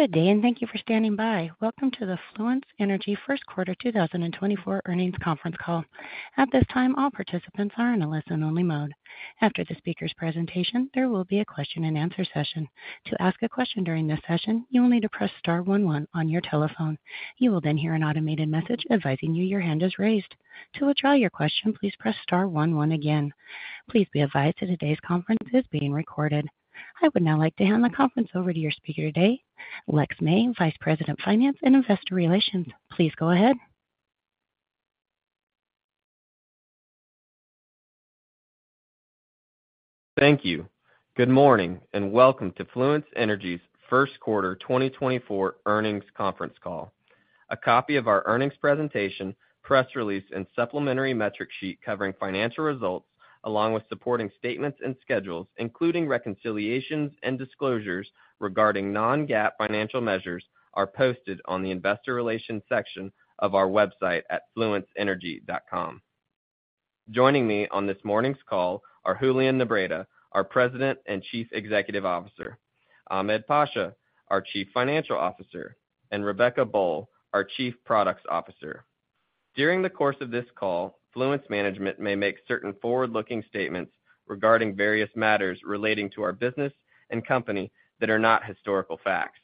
Good day, and thank you for standing by. Welcome to the Fluence Energy First Quarter 2024 Earnings Conference Call. At this time, all participants are in a listen-only mode. After the speaker's presentation, there will be a question-and-answer session. To ask a question during this session, you will need to press star one one on your telephone. You will then hear an automated message advising you your hand is raised. To withdraw your question, please press star one one again. Please be advised that today's conference is being recorded. I would now like to hand the conference over to your speaker today, Lex May, Vice President of Finance and Investor Relations. Please go ahead. Thank you. Good morning, and welcome to Fluence Energy's First Quarter 2024 Earnings Conference Call. A copy of our earnings presentation, press release, and supplementary metric sheet covering financial results, along with supporting statements and schedules, including reconciliations and disclosures regarding non-GAAP financial measures, are posted on the investor relations section of our website at fluenceenergy.com. Joining me on this morning's call are Julian Nebreda, our President and Chief Executive Officer; Ahmed Pasha, our Chief Financial Officer; and Rebecca Boll, our Chief Product Officer. During the course of this call, Fluence management may make certain forward-looking statements regarding various matters relating to our business and company that are not historical facts.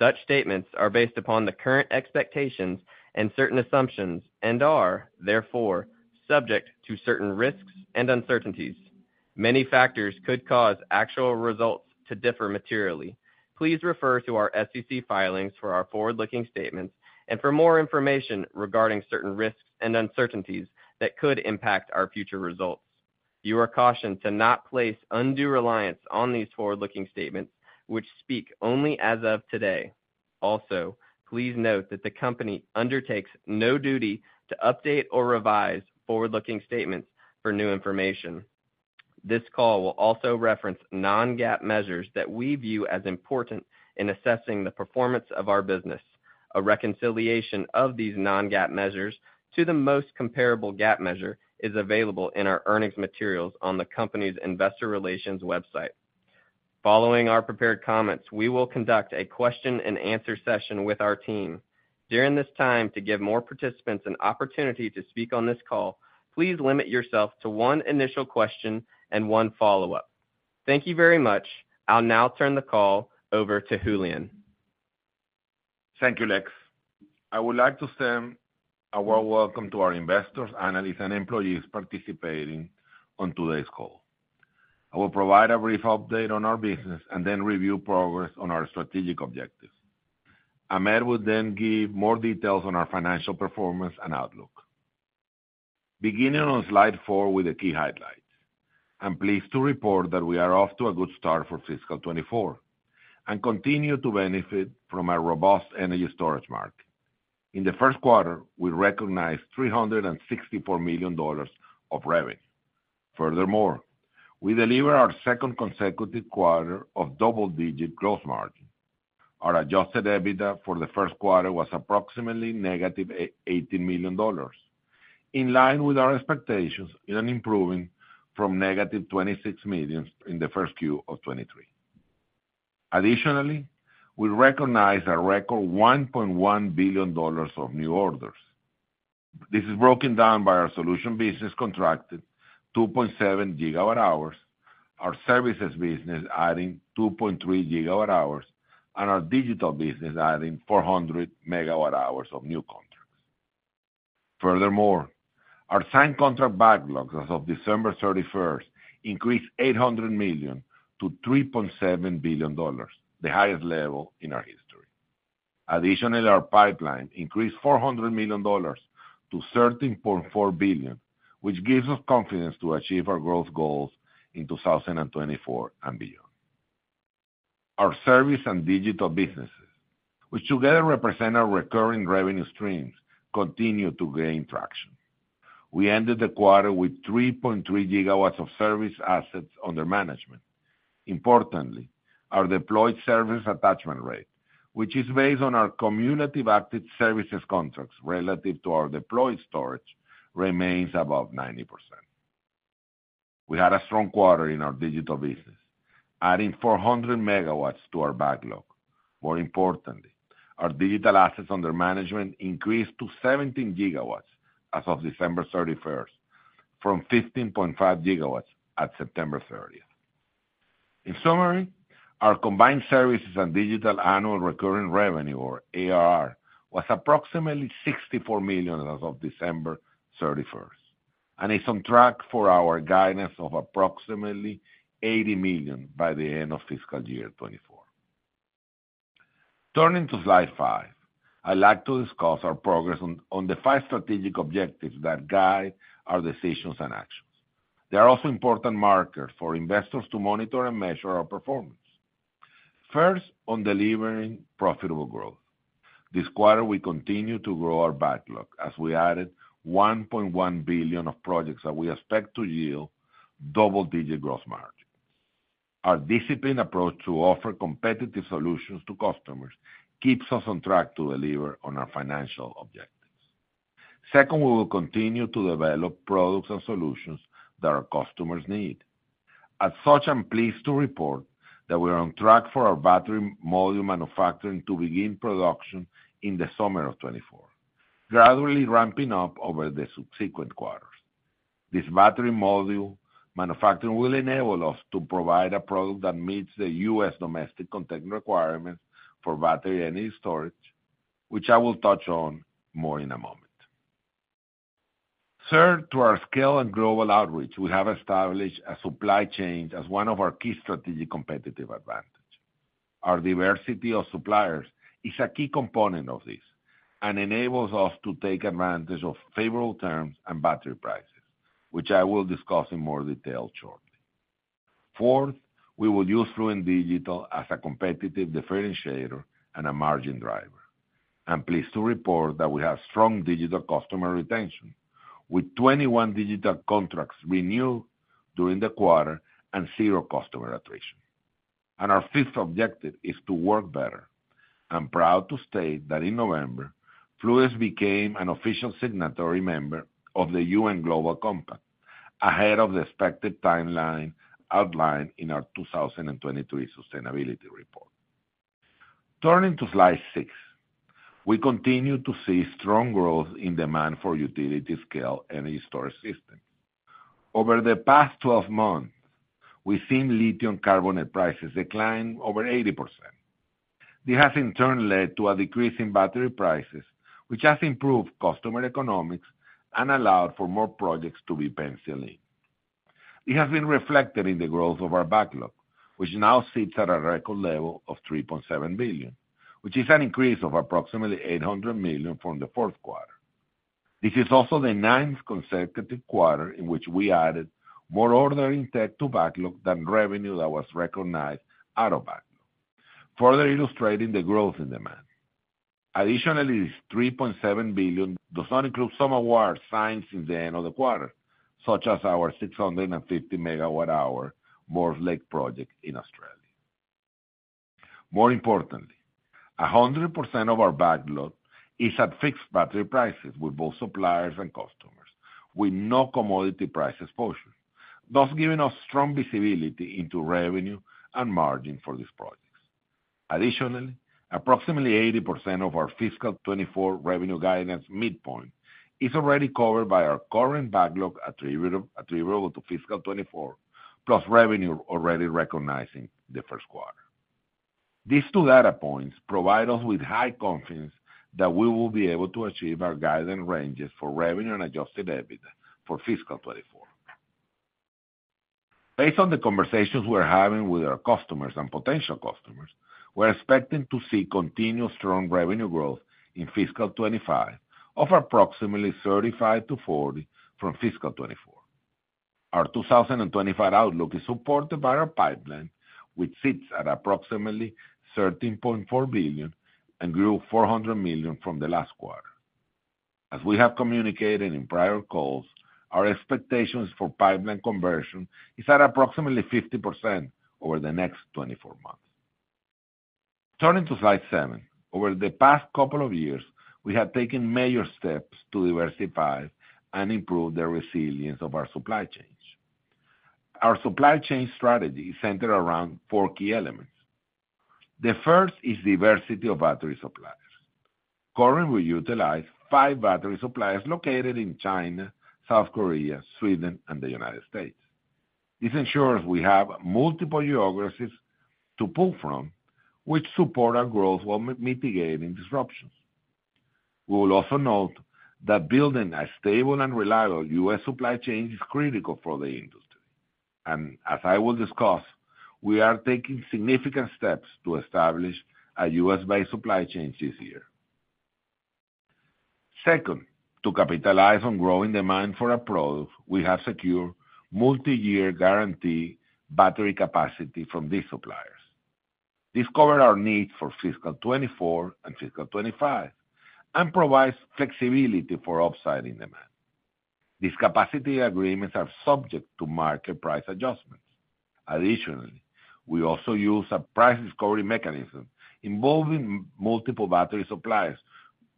Such statements are based upon the current expectations and certain assumptions and are, therefore, subject to certain risks and uncertainties. Many factors could cause actual results to differ materially. Please refer to our SEC filings for our forward-looking statements and for more information regarding certain risks and uncertainties that could impact our future results. You are cautioned to not place undue reliance on these forward-looking statements, which speak only as of today. Also, please note that the company undertakes no duty to update or revise forward-looking statements for new information. This call will also reference non-GAAP measures that we view as important in assessing the performance of our business. A reconciliation of these non-GAAP measures to the most comparable GAAP measure is available in our earnings materials on the company's investor relations website. Following our prepared comments, we will conduct a question-and-answer session with our team. During this time, to give more participants an opportunity to speak on this call, please limit yourself to one initial question and one follow-up. Thank you very much. I'll now turn the call over to Julian. Thank you, Lex. I would like to send a warm welcome to our investors, analysts, and employees participating on today's call. I will provide a brief update on our business and then review progress on our strategic objectives. Ahmed will then give more details on our financial performance and outlook. Beginning on slide four with the key highlights, I'm pleased to report that we are off to a good start for fiscal 2024 and continue to benefit from a robust energy storage market. In the first quarter, we recognized $364 million of revenue. Furthermore, we delivered our second consecutive quarter of double-digit gross margin. Our adjusted EBITDA for the first quarter was approximately -$18 million, in line with our expectations and improving from -$26 million in the first Q of 2023. Additionally, we recognized a record $1.1 billion of new orders. This is broken down by our solution business contracted 2.7 GWh, our services business adding 2.3 GWh, and our digital business adding 400 MWh of new contracts. Furthermore, our signed contract backlogs as of December 31st increased $800 million to $3.7 billion, the highest level in our history. Additionally, our pipeline increased $400 million to $13.4 billion, which gives us confidence to achieve our growth goals in 2024 and beyond. Our service and digital businesses, which together represent our recurring revenue streams, continue to gain traction. We ended the quarter with 3.3 GW of service assets under management. Importantly, our deployed service attachment rate, which is based on our cumulative active services contracts relative to our deployed storage, remains above 90%. We had a strong quarter in our digital business, adding 400 MW to our backlog. More importantly, our digital assets under management increased to 17 GW as of December 31st, from 15.5 GW at September 30th. In summary, our combined services and digital annual recurring revenue, or ARR, was approximately $64 million as of December 31st, and is on track for our guidance of approximately $80 million by the end of fiscal year 2024. Turning to slide 5, I'd like to discuss our progress on the five strategic objectives that guide our decisions and actions. They are also important markers for investors to monitor and measure our performance. First, on delivering profitable growth. This quarter, we continued to grow our backlog, as we added $1.1 billion of projects that we expect to yield double-digit gross margin. Our disciplined approach to offer competitive solutions to customers keeps us on track to deliver on our financial objective. Second, we will continue to develop products and solutions that our customers need. As such, I'm pleased to report that we are on track for our battery module manufacturing to begin production in the summer of 2024, gradually ramping up over the subsequent quarters. This battery module manufacturing will enable us to provide a product that meets the U.S. domestic content requirements for battery energy storage, which I will touch on more in a moment. Third, to our scale and global outreach, we have established a supply chain as one of our key strategic competitive advantage. Our diversity of suppliers is a key component of this, and enables us to take advantage of favorable terms and battery prices, which I will discuss in more detail shortly. Fourth, we will use Fluence Digital as a competitive differentiator and a margin driver. I'm pleased to report that we have strong digital customer retention, with 21 digital contracts renewed during the quarter and zero customer attrition. Our fifth objective is to work better. I'm proud to state that in November, Fluence became an official signatory member of the UN Global Compact, ahead of the expected timeline outlined in our 2023 sustainability report. Turning to slide six. We continue to see strong growth in demand for utility scale energy storage systems. Over the past 12 months, we've seen lithium carbonate prices decline over 80%. This has in turn led to a decrease in battery prices, which has improved customer economics and allowed for more projects to be penciled in. It has been reflected in the growth of our backlog, which now sits at a record level of $3.7 billion, which is an increase of approximately $800 million from the fourth quarter. This is also the ninth consecutive quarter in which we added more order intake to backlog than revenue that was recognized out of backlog, further illustrating the growth in demand. Additionally, this $3.7 billion does not include some awards signed since the end of the quarter, such as our 650 MWh Mortlake project in Australia. More importantly, 100% of our backlog is at fixed battery prices with both suppliers and customers, with no commodity price exposure, thus giving us strong visibility into revenue and margin for these projects. Additionally, approximately 80% of our fiscal 2024 revenue guidance midpoint is already covered by our current backlog attributable to fiscal 2024, plus revenue already recognizing the first quarter. These two data points provide us with high confidence that we will be able to achieve our guidance ranges for revenue and adjusted EBITDA for fiscal 2024. Based on the conversations we're having with our customers and potential customers, we're expecting to see continued strong revenue growth in fiscal 2025 of approximately 35%-40% from fiscal 2024. Our 2025 outlook is supported by our pipeline, which sits at approximately $13.4 billion and grew $400 million from the last quarter. As we have communicated in prior calls, our expectations for pipeline conversion is at approximately 50% over the next 24 months. Turning to slide seven. Over the past couple of years, we have taken major steps to diversify and improve the resilience of our supply chains. Our supply chain strategy is centered around four key elements. The first is diversity of battery suppliers. Currently, we utilize five battery suppliers located in China, South Korea, Sweden, and the United States. This ensures we have multiple geographies to pull from, which support our growth while mitigating disruptions. We will also note that building a stable and reliable U.S. supply chain is critical for the industry, and as I will discuss, we are taking significant steps to establish a U.S.-based supply chain this year. Second, to capitalize on growing demand for our products, we have secured multi-year guarantee battery capacity from these suppliers. This cover our needs for fiscal 2024 and fiscal 2025, and provides flexibility for upsiding demand. These capacity agreements are subject to market price adjustments. Additionally, we also use a price discovery mechanism involving multiple battery suppliers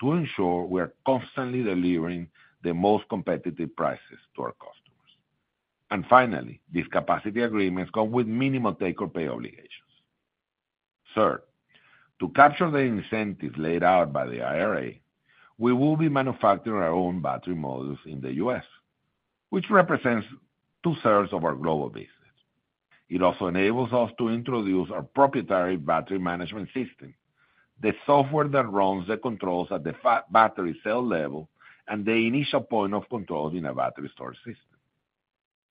to ensure we are constantly delivering the most competitive prices to our customers. And finally, these capacity agreements come with minimal take or pay obligations. Third, to capture the incentives laid out by the IRA, we will be manufacturing our own battery modules in the U.S., which represents 2/3 of our global business. It also enables us to introduce our proprietary battery management system, the software that runs the controls at the battery cell level and the initial point of control in a battery storage system.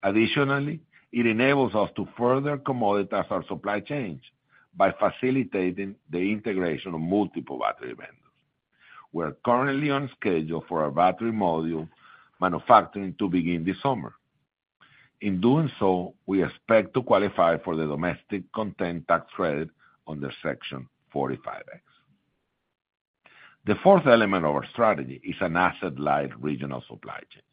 Additionally, it enables us to further commoditize our supply chains by facilitating the integration of multiple battery vendors. We're currently on schedule for our battery module manufacturing to begin this summer. In doing so, we expect to qualify for the domestic content tax credit under Section 45X. The fourth element of our strategy is an asset-light regional supply chains.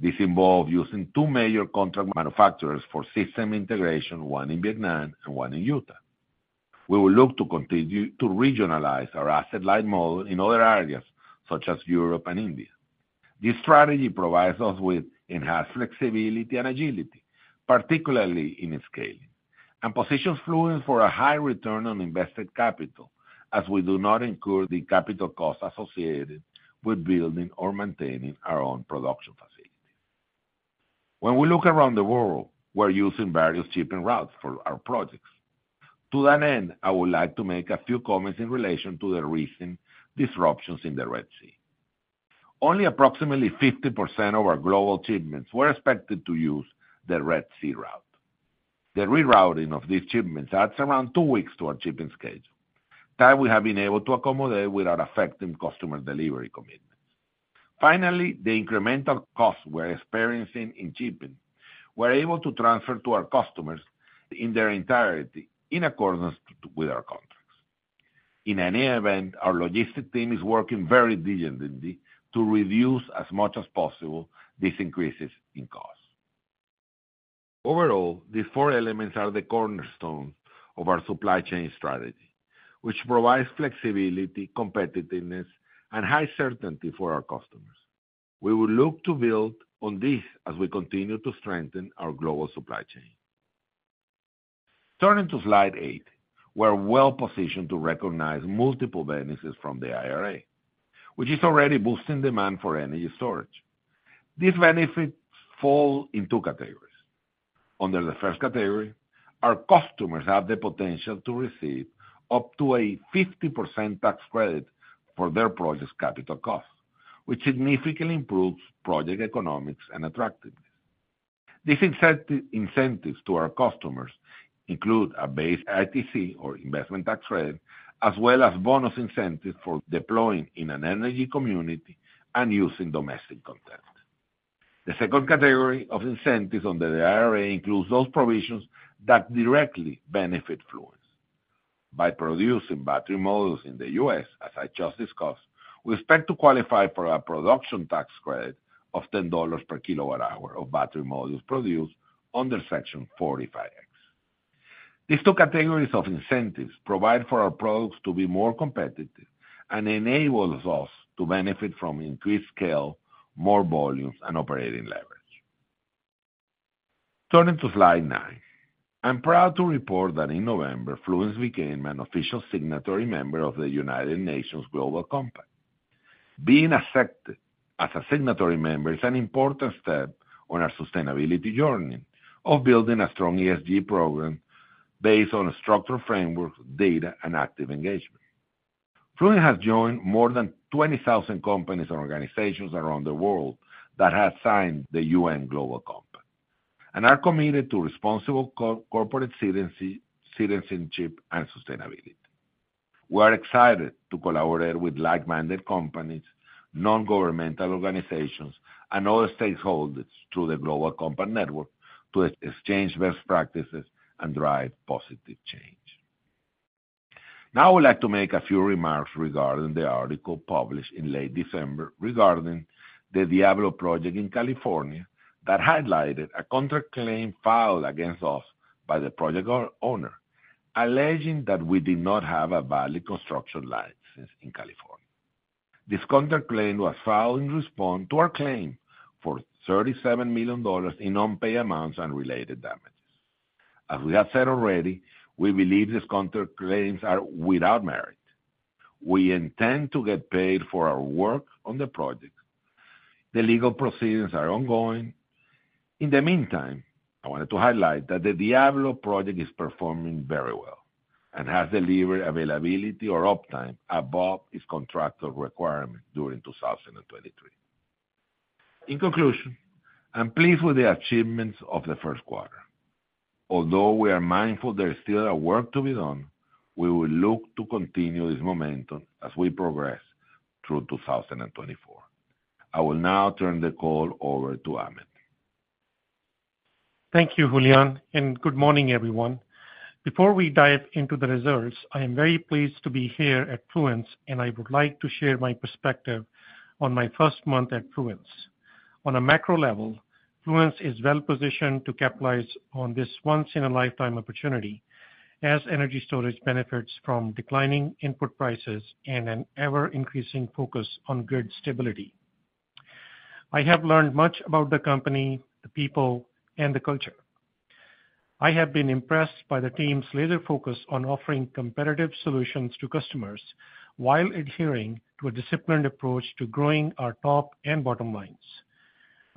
This involves using two major contract manufacturers for system integration, one in Vietnam and one in Utah. We will look to continue to regionalize our asset-light model in other areas, such as Europe and India. This strategy provides us with enhanced flexibility and agility, particularly in scaling, and positions Fluence for a high return on invested capital, as we do not incur the capital costs associated with building or maintaining our own production facilities. When we look around the world, we're using various shipping routes for our projects. To that end, I would like to make a few comments in relation to the recent disruptions in the Red Sea. Only approximately 50% of our global shipments were expected to use the Red Sea route. The rerouting of these shipments adds around two weeks to our shipping schedule, that we have been able to accommodate without affecting customer delivery commitments. Finally, the incremental costs we're experiencing in shipping, we're able to transfer to our customers in their entirety, in accordance with our contracts. In any event, our logistic team is working very diligently to reduce as much as possible these increases in costs. Overall, these four elements are the cornerstone of our supply chain strategy, which provides flexibility, competitiveness, and high certainty for our customers. We will look to build on this as we continue to strengthen our global supply chain. Turning to slide eight. We're well positioned to recognize multiple benefits from the IRA, which is already boosting demand for energy storage. These benefits fall in two categories. Under the first category, our customers have the potential to receive up to a 50% tax credit for their project's capital costs, which significantly improves project economics and attractiveness. These incentives to our customers include a base ITC, or Investment Tax Credit, as well as bonus incentives for deploying in an energy community and using domestic content. The second category of incentives under the IRA includes those provisions that directly benefit Fluence. By producing battery modules in the U.S., as I just discussed, we expect to qualify for a production tax credit of $10 per kWh of battery modules produced under Section 45X. These two categories of incentives provide for our products to be more competitive and enables us to benefit from increased scale, more volumes, and operating leverage. Turning to slide nine. I'm proud to report that in November, Fluence became an official signatory member of the United Nations Global Compact. Being accepted as a signatory member is an important step on our sustainability journey of building a strong ESG program based on a structured framework, data, and active engagement. Fluence has joined more than 20,000 companies and organizations around the world that have signed the UN Global Compact, and are committed to responsible corporate citizenship and sustainability. We're excited to collaborate with like-minded companies, non-governmental organizations, and other stakeholders through the Global Compact network to exchange best practices and drive positive change. Now, I would like to make a few remarks regarding the article published in late December regarding the Diablo project in California, that highlighted a contract claim filed against us by the project owner, alleging that we did not have a valid construction license in California. This counterclaims was filed in response to our claim for $37 million in unpaid amounts and related damages. As we have said already, we believe these counterclaims are without merit. We intend to get paid for our work on the project. The legal proceedings are ongoing. In the meantime, I wanted to highlight that the Diablo project is performing very well, and has delivered availability or uptime above its contractual requirement during 2023. In conclusion, I'm pleased with the achievements of the first quarter. Although we are mindful there is still work to be done, we will look to continue this momentum as we progress through 2024. I will now turn the call over to Ahmed. Thank you, Julian, and good morning, everyone. Before we dive into the results, I am very pleased to be here at Fluence, and I would like to share my perspective on my first month at Fluence. On a macro level, Fluence is well positioned to capitalize on this once-in-a-lifetime opportunity as energy storage benefits from declining input prices and an ever-increasing focus on grid stability. I have learned much about the company, the people, and the culture. I have been impressed by the team's laser focus on offering competitive solutions to customers, while adhering to a disciplined approach to growing our top and bottom lines.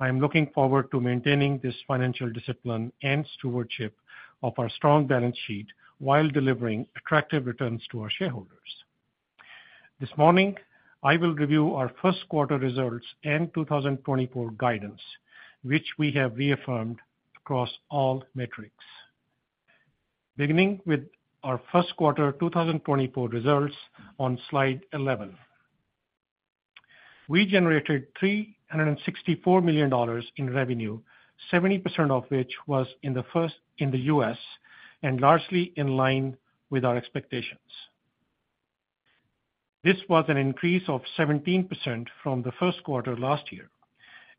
I am looking forward to maintaining this financial discipline and stewardship of our strong balance sheet, while delivering attractive returns to our shareholders. This morning, I will review our first quarter results and 2024 guidance, which we have reaffirmed across all metrics. Beginning with our first quarter 2024 results on slide 11. We generated $364 million in revenue, 70% of which was in the U.S., and largely in line with our expectations. This was an increase of 17% from the first quarter last year.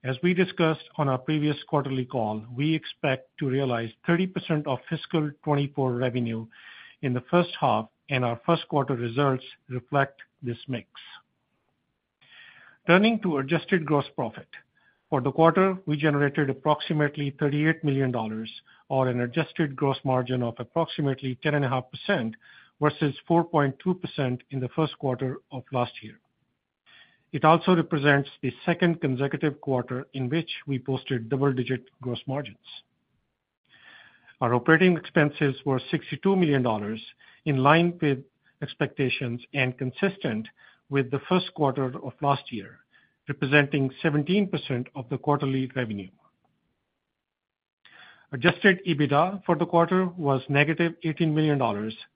As we discussed on our previous quarterly call, we expect to realize 30% of fiscal 2024 revenue in the first half, and our first quarter results reflect this mix. Turning to adjusted gross profit. For the quarter, we generated approximately $38 million, or an adjusted gross margin of approximately 10.5%, versus 4.2% in the first quarter of last year. It also represents the second consecutive quarter in which we posted double-digit gross margins. Our operating expenses were $62 million, in line with expectations and consistent with the first quarter of last year, representing 17% of the quarterly revenue. Adjusted EBITDA for the quarter was -$18 million,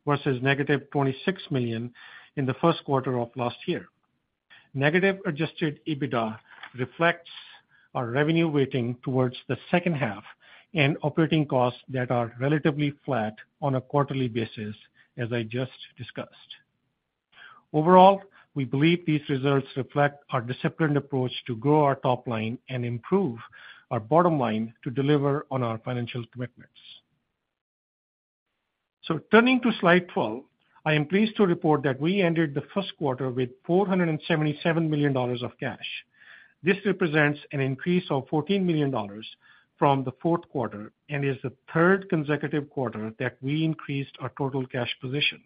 versus -$26 million in the first quarter of last year. Negative adjusted EBITDA reflects our revenue weighting towards the second half, and operating costs that are relatively flat on a quarterly basis, as I just discussed. Overall, we believe these results reflect our disciplined approach to grow our top line and improve our bottom line to deliver on our financial commitments. Turning to Slide 12, I am pleased to report that we ended the first quarter with $477 million of cash. This represents an increase of $14 million from the fourth quarter and is the third consecutive quarter that we increased our total cash position.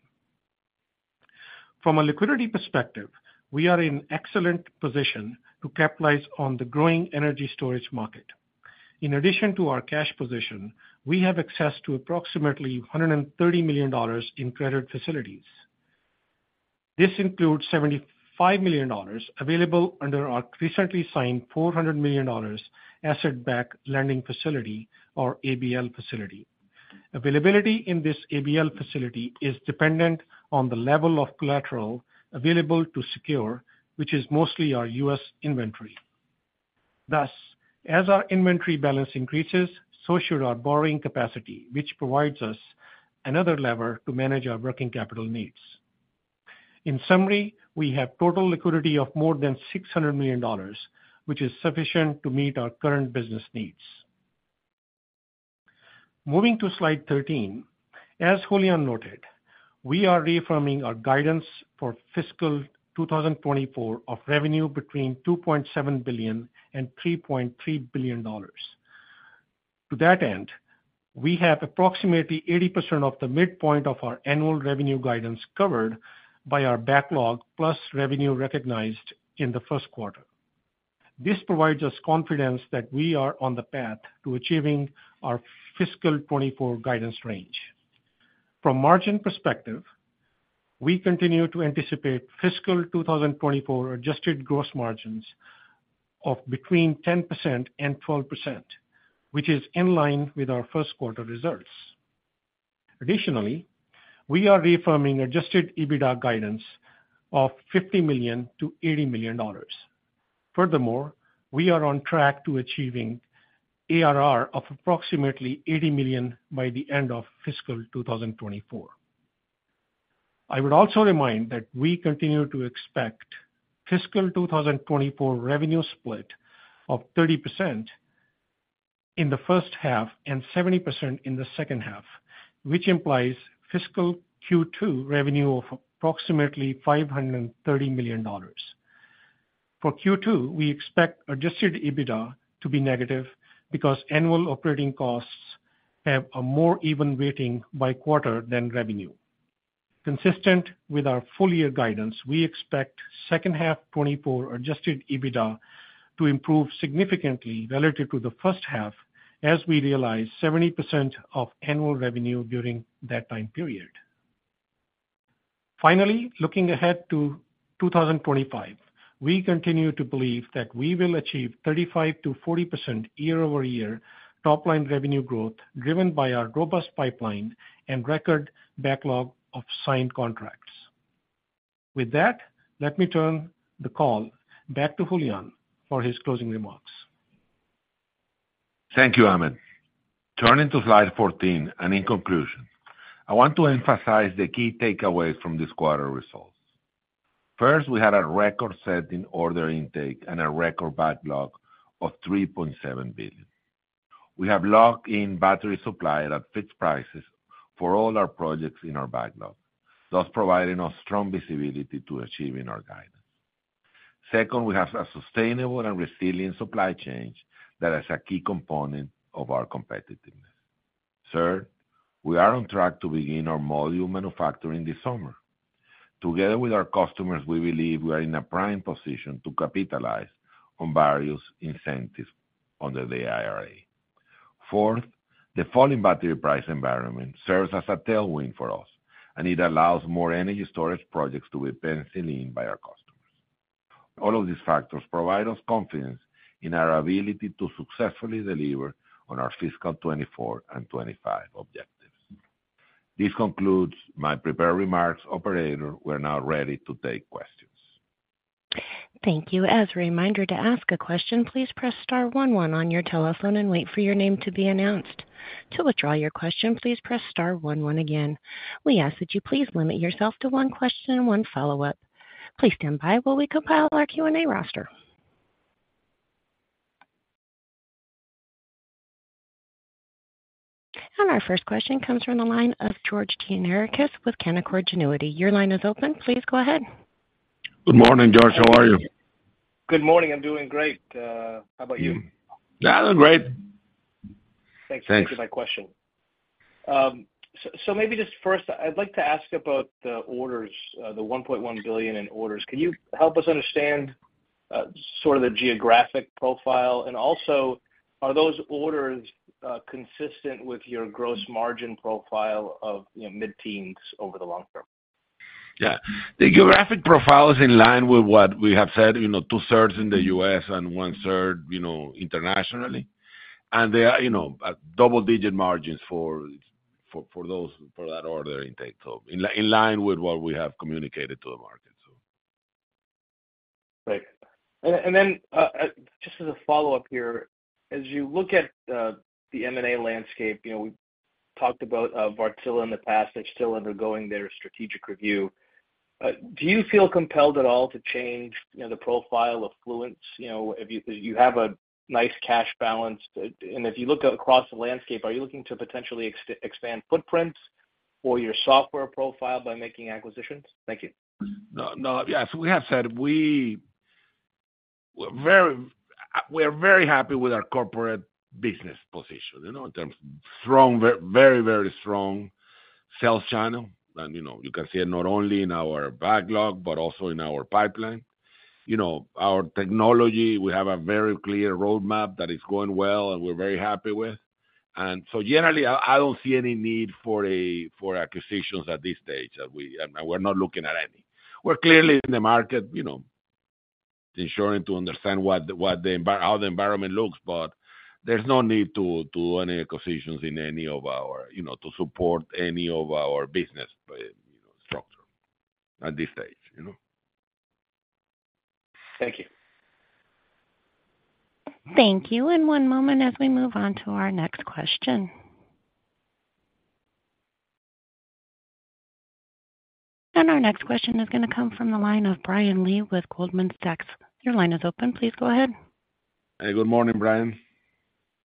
From a liquidity perspective, we are in excellent position to capitalize on the growing energy storage market. In addition to our cash position, we have access to approximately $130 million in credit facilities. This includes $75 million available under our recently signed $400 million asset-backed lending facility, or ABL facility. Availability in this ABL facility is dependent on the level of collateral available to secure, which is mostly our U.S. inventory. Thus, as our inventory balance increases, so should our borrowing capacity, which provides us another lever to manage our working capital needs. In summary, we have total liquidity of more than $600 million, which is sufficient to meet our current business needs. Moving to Slide 13, as Julian noted, we are reaffirming our guidance for fiscal 2024 of revenue between $2.7 billion and $3.3 billion. To that end, we have approximately 80% of the midpoint of our annual revenue guidance covered by our backlog, plus revenue recognized in the first quarter. This provides us confidence that we are on the path to achieving our fiscal 2024 guidance range. From margin perspective, we continue to anticipate fiscal 2024 adjusted gross margins of between 10% and 12%, which is in line with our first quarter results. Additionally, we are reaffirming adjusted EBITDA guidance of $50 million-$80 million. Furthermore, we are on track to achieving ARR of approximately $80 million by the end of fiscal 2024. I would also remind that we continue to expect fiscal 2024 revenue split of 30% in the first half and 70% in the second half, which implies fiscal Q2 revenue of approximately $530 million. For Q2, we expect adjusted EBITDA to be negative, because annual operating costs have a more even weighting by quarter than revenue. Consistent with our full year guidance, we expect second half 2024 adjusted EBITDA to improve significantly relative to the first half, as we realize 70% of annual revenue during that time period. Finally, looking ahead to 2025, we continue to believe that we will achieve 35%-40% year-over-year top-line revenue growth, driven by our robust pipeline and record backlog of signed contracts. With that, let me turn the call back to Julian for his closing remarks. Thank you, Ahmed. Turning to Slide 14, in conclusion, I want to emphasize the key takeaways from this quarter results. First, we had a record-setting order intake and a record backlog of $3.7 billion. We have locked in battery supply at fixed prices for all our projects in our backlog, thus providing us strong visibility to achieving our guidance. Second, we have a sustainable and resilient supply chain that is a key component of our competitiveness. Third, we are on track to begin our module manufacturing this summer. Together with our customers, we believe we are in a prime position to capitalize on various incentives under the IRA. Fourth, the falling battery price environment serves as a tailwind for us, and it allows more energy storage projects to be penciled in by our customers. All of these factors provide us confidence in our ability to successfully deliver on our fiscal 2024 and 2025 objectives. This concludes my prepared remarks. Operator, we're now ready to take questions. Thank you. As a reminder, to ask a question, please press star one one on your telephone and wait for your name to be announced. To withdraw your question, please press star one one again. We ask that you please limit yourself to one question and one follow-up. Please stand by while we compile our Q&A roster. And our first question comes from the line of George Gianarikas with Canaccord Genuity. Your line is open. Please go ahead. Good morning, George. How are you? Good morning. I'm doing great. How about you? Yeah, I'm great. Thanks- Thanks. -for taking my question. So, so maybe just first, I'd like to ask about the orders, the $1.1 billion in orders. Can you help us understand, sort of the geographic profile? And also, are those orders, consistent with your gross margin profile of, you know, mid-teens over the long term? Yeah. The geographic profile is in line with what we have said, you know, 2/3 in the U.S. and 1/3, you know, internationally. And there are, you know, double-digit margins for that order intake. So in line with what we have communicated to the market, so. Great. And then, just as a follow-up here, as you look at the M&A landscape, you know, we talked about Wärtsilä in the past. They're still undergoing their strategic review. Do you feel compelled at all to change, you know, the profile of Fluence? You know, if you have a nice cash balance, and if you look across the landscape, are you looking to potentially expand footprints or your software profile by making acquisitions? Thank you. No, no. Yes, we have said we're very happy with our corporate business position, you know, in terms of strong, very, very strong sales channel. And, you know, you can see it not only in our backlog but also in our pipeline. You know, our technology, we have a very clear roadmap that is going well, and we're very happy with. And so generally, I don't see any need for acquisitions at this stage, and we're not looking at any. We're clearly in the market, you know, ensuring to understand what the environment looks, but there's no need to do any acquisitions in any of our business structure at this stage, you know? Thank you. Thank you, and one moment as we move on to our next question. Our next question is gonna come from the line of Brian Lee with Goldman Sachs. Your line is open. Please go ahead. Hey, good morning, Brian.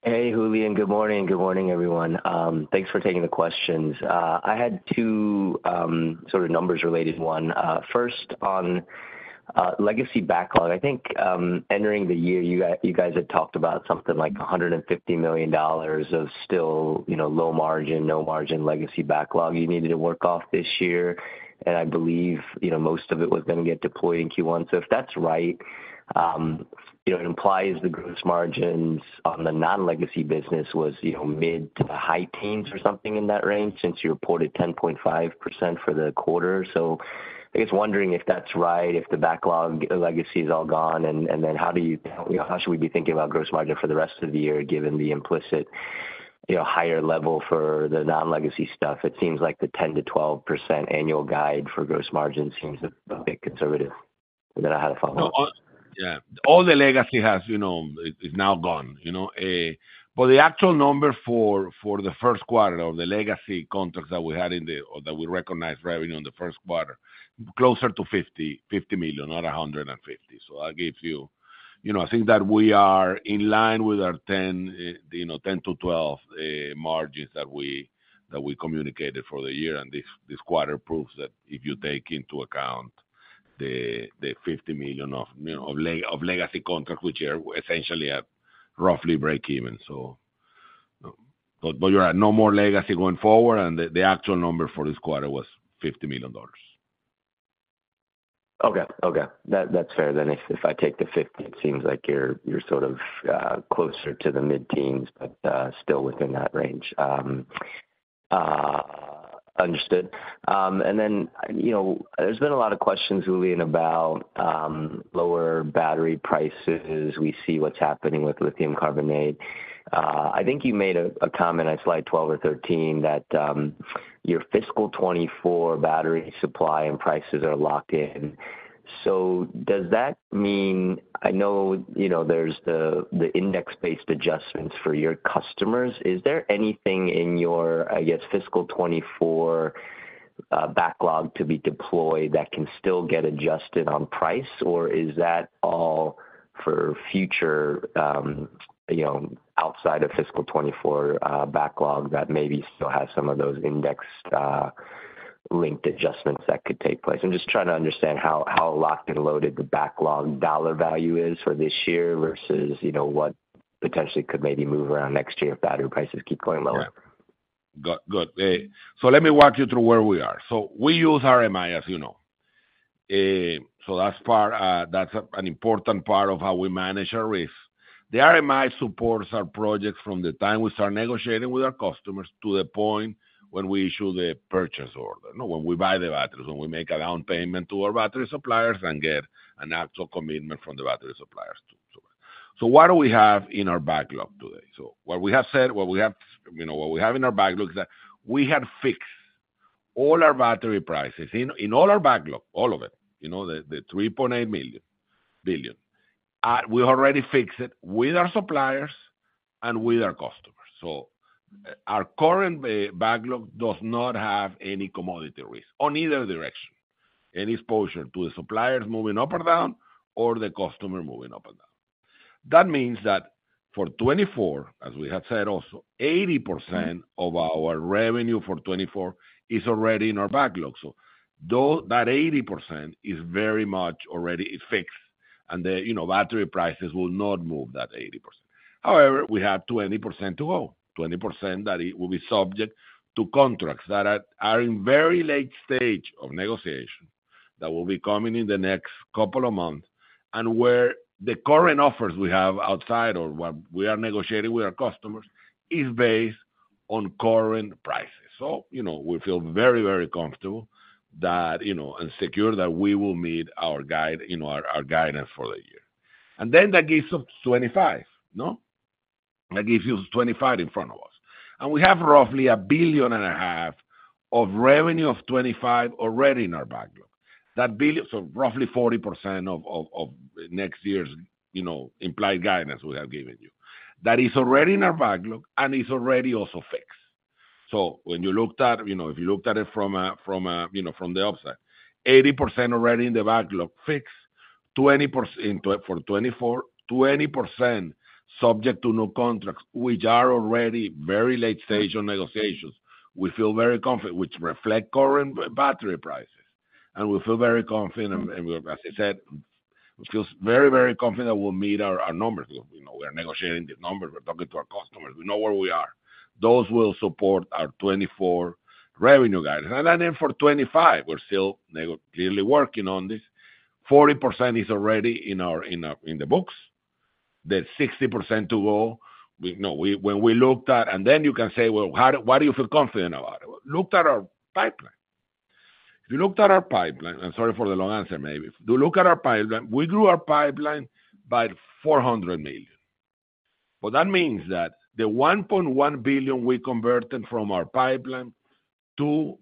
Hey, Julian, good morning. Good morning, everyone. Thanks for taking the questions. I had two, sort of numbers-related one. First on legacy backlog. I think entering the year, you guys had talked about something like $150 million of still, you know, low margin, no margin, legacy backlog you needed to work off this year, and I believe, you know, most of it was gonna get deployed in Q1. So if that's right, it implies the gross margins on the non-legacy business was, you know, mid- to high-teens or something in that range, since you reported 10.5% for the quarter. So I guess wondering if that's right, if the legacy backlog is all gone, and then how do you... You know, how should we be thinking about gross margin for the rest of the year, given the implicit, you know, higher level for the non-legacy stuff? It seems like the 10%-12% annual guide for gross margin seems a bit conservative. And then I had a follow-up. No, yeah. All the legacy has, you know, it, it's now gone, you know, but the actual number for the first quarter of the legacy contracts that we had or that we recognized revenue in the first quarter, closer to 50, $50 million, not 150. So that gives you. You know, I think that we are in line with our 10%-12% margins that we, that we communicated for the year, and this quarter proves that if you take into account the $50 million of, you know, of legacy contracts, which are essentially at roughly break even. So, but you're at no more legacy going forward, and the actual number for this quarter was $50 million. Okay. Okay, that's fair. Then if I take the $50 million, it seems like you're sort of closer to the mid-teens, but still within that range. Understood. And then, you know, there's been a lot of questions, Julian, about lower battery prices. We see what's happening with lithium carbonate. I think you made a comment on slide 12 or 13 that your fiscal 2024 battery supply and prices are locked in. So does that mean? I know, you know, there's the index-based adjustments for your customers. Is there anything in your, I guess, fiscal 2024 backlog to be deployed that can still get adjusted on price, or is that all for future, you know, outside of fiscal 2024 backlog, that maybe still has some of those indexed linked adjustments that could take place? I'm just trying to understand how locked and loaded the backlog dollar value is for this year versus, you know, what potentially could maybe move around next year if battery prices keep going lower. Yeah. Good. Good. So let me walk you through where we are. So we use RMI, as you know. So that's part, that's an important part of how we manage our risk. The RMI supports our projects from the time we start negotiating with our customers to the point when we issue the purchase order, you know, when we buy the batteries, when we make a down payment to our battery suppliers and get an actual commitment from the battery suppliers, too. So what do we have in our backlog today? So what we have said, what we have, you know, what we have in our backlog is that we have fixed all our battery prices in, in all our backlog, all of it, you know, the $3.8 billion. We already fixed it with our suppliers and with our customers. Our current backlog does not have any commodity risk on either direction, any exposure to the suppliers moving up or down, or the customer moving up or down. That means that for 2024, as we have said, also, 80% of our revenue for 2024 is already in our backlog. So though that 80% is very much already fixed and the, you know, battery prices will not move that 80%. However, we have 20% to go, 20% that it will be subject to contracts that are in very late stage of negotiation, that will be coming in the next couple of months, and where the current offers we have outside or what we are negotiating with our customers is based on current prices. So, you know, we feel very, very comfortable that, you know, and secure that we will meet our guide, you know, our, our guidance for the year. And then that gives us 25, no? That gives us 25 in front of us. And we have roughly $1.5 billion of revenue of 25 already in our backlog. That billion, so roughly 40% of next year's, you know, implied guidance we have given you. That is already in our backlog and is already also fixed. So when you looked at, you know, if you looked at it from a, from a, you know, from the upside, 80% already in the backlog fixed, 20% in 2024, 20% subject to new contracts, which are already very late stage on negotiations. We feel very confident, which reflect current battery prices, and as I said, we feel very, very confident that we'll meet our numbers. You know, we are negotiating the numbers, we're talking to our customers, we know where we are. Those will support our 2024 revenue guidance. And then for 2025, we're still nego- clearly working on this. 40% is already in our books. The 60% to go, we know when we looked at. And then you can say, "Well, how do, why do you feel confident about it?" Looked at our pipeline. If you look at our pipeline, sorry for the long answer, maybe. If you look at our pipeline, we grew our pipeline by $400 million. Well, that means that the $1.1 billion we converted from our pipeline to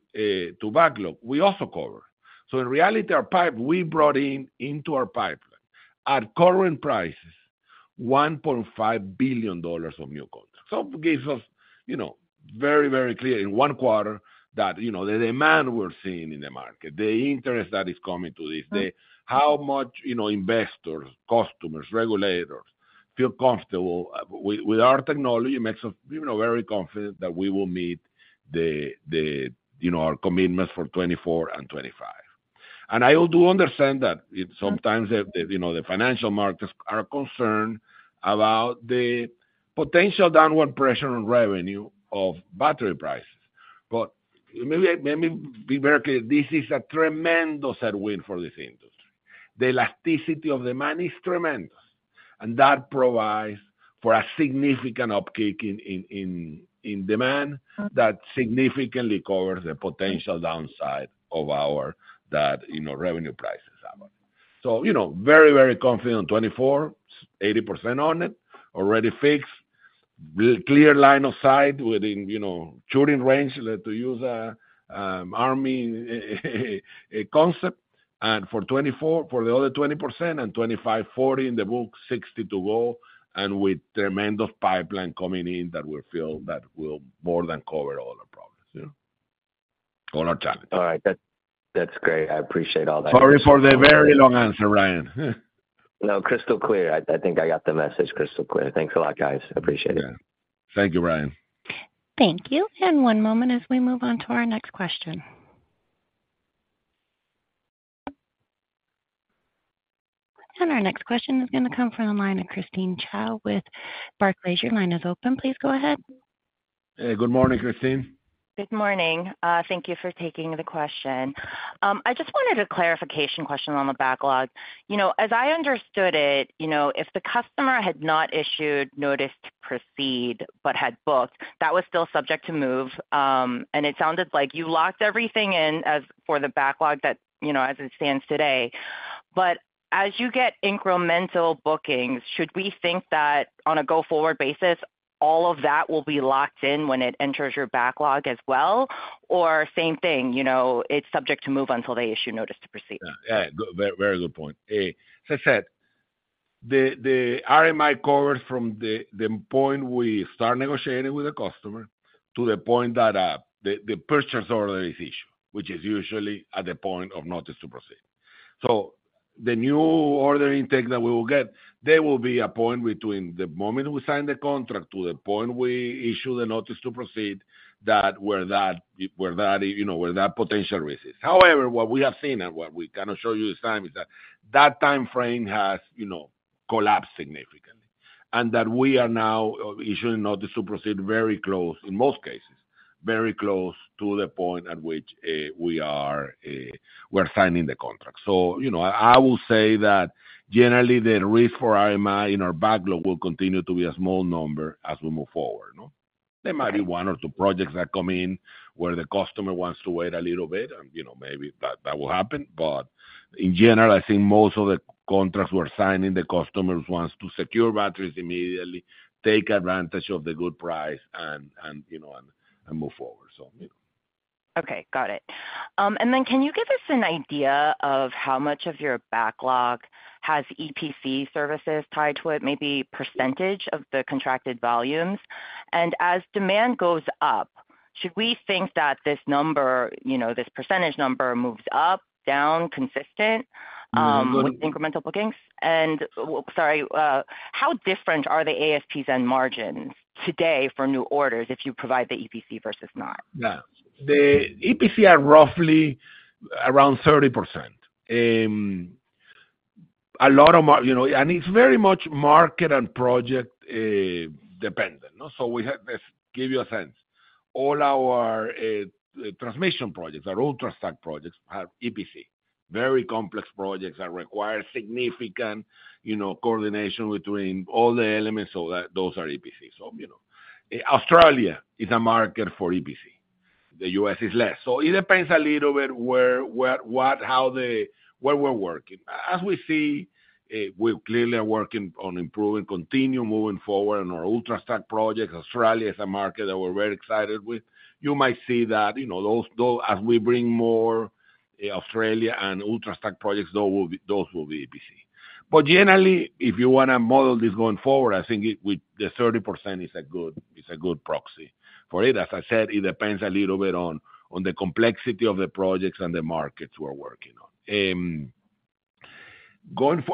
backlog, we also cover. So in reality, we brought in, into our pipeline, at current prices, $1.5 billion of new contracts. So it gives us, you know, very, very clear in one quarter that, you know, the demand we're seeing in the market, the interest that is coming to this, the how much, you know, investors, customers, regulators, feel comfortable with our technology, makes us, you know, very confident that we will meet our commitments for 2024 and 2025. And I do understand that sometimes the financial markets are concerned about the potential downward pressure on revenue of battery prices. But let me be very clear. This is a tremendous headwind for this industry. The elasticity of the demand is tremendous, and that provides for a significant uptake in demand that significantly covers the potential downside of our, you know, revenue prices are about. So, you know, very, very confident on 2024, 80% on it, already fixed. Clear line of sight within, you know, shooting range, like to use an army concept, and for 2024, for the other 20% and 2025, 40% in the book, 60% to go, and with tremendous pipeline coming in that will fill, that will more than cover all our problems, you know, all our challenges. All right. That, that's great. I appreciate all that. Sorry for the very long answer, Ryan. No, crystal clear. I, I think I got the message crystal clear. Thanks a lot, guys. I appreciate it. Yeah. Thank you, Ryan. Thank you, and one moment as we move on to our next question. Our next question is gonna come from the line of Christine Cho with Barclays. Your line is open. Please go ahead. Hey, good morning, Christine. Good morning. Thank you for taking the question. I just wanted a clarification question on the backlog. You know, as I understood it, you know, if the customer had not issued notice to proceed but had booked, that was still subject to move, and it sounded like you locked everything in as for the backlog that, you know, as it stands today. But as you get incremental bookings, should we think that on a go-forward basis, all of that will be locked in when it enters your backlog as well? Or same thing, you know, it's subject to move until they issue notice to proceed. Yeah. Yeah, good point. As I said, the RMI covers from the point we start negotiating with the customer, to the point that the purchase order is issued, which is usually at the point of notice to proceed. So the new order intake that we will get, there will be a point between the moment we sign the contract to the point we issue the notice to proceed, where that potential risk is. However, what we have seen and what we can show you this time is that that time frame has, you know, collapsed significantly, and that we are now issuing notice to proceed very close, in most cases, very close to the point at which we are signing the contract. So, you know, I will say that generally, the risk for RMI in our backlog will continue to be a small number as we move forward, no? There might be one or two projects that come in where the customer wants to wait a little bit, and, you know, maybe that, that will happen. But in general, I think most of the contracts we're signing, the customers wants to secure batteries immediately, take advantage of the good price, and, and, you know, and, and move forward. So, you know. Okay, got it. And then can you give us an idea of how much of your backlog has EPC services tied to it, maybe percentage of the contracted volumes? And as demand goes up, should we think that this number, you know, this percentage number moves up, down, consistent, with incremental bookings? And, sorry, how different are the ASPs and margins today for new orders if you provide the EPC versus not? Yeah. The EPC are roughly around 30%. A lot of market, you know, and it's very much market and project dependent, no? So let's give you a sense. All our transmission projects, our Ultrastack projects, have EPC. Very complex projects that require significant, you know, coordination between all the elements, those are EPC, so, you know. Australia is a market for EPC. The US is less. So it depends a little bit where, what, how we're working. As we see, we clearly are working on improving, continue moving forward on our Ultrastack project. Australia is a market that we're very excited with. You might see that, you know, those, though, as we bring more Australia and Ultrastack projects, those will be, those will be EPC. But generally, if you wanna model this going forward, I think with the 30% is a good proxy for it. As I said, it depends a little bit on the complexity of the projects and the markets we're working on.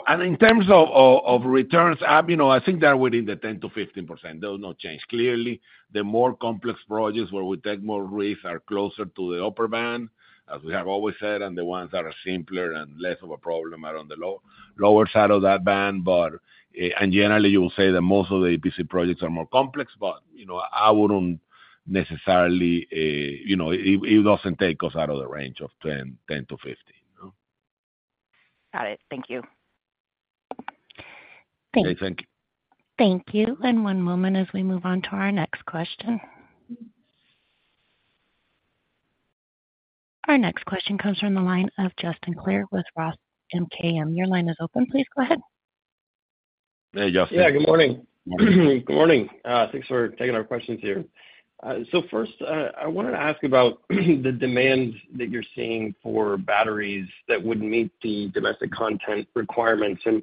And in terms of returns, you know, I think they're within the 10%-15%. They'll not change. Clearly, the more complex projects where we take more risks are closer to the upper band, as we have always said, and the ones that are simpler and less of a problem are on the lower side of that band. Generally, you will say that most of the EPC projects are more complex, but, you know, I wouldn't necessarily, you know, it doesn't take us out of the range of 10%-15%, no? Got it. Thank you. Okay, thank you. Thank you. And one moment as we move on to our next question. Our next question comes from the line of Justin Clare with Roth MKM. Your line is open. Please go ahead. Hey, Justin. Yeah, good morning. Good morning. Thanks for taking our questions here. So first, I wanted to ask about the demand that you're seeing for batteries that would meet the domestic content requirements, and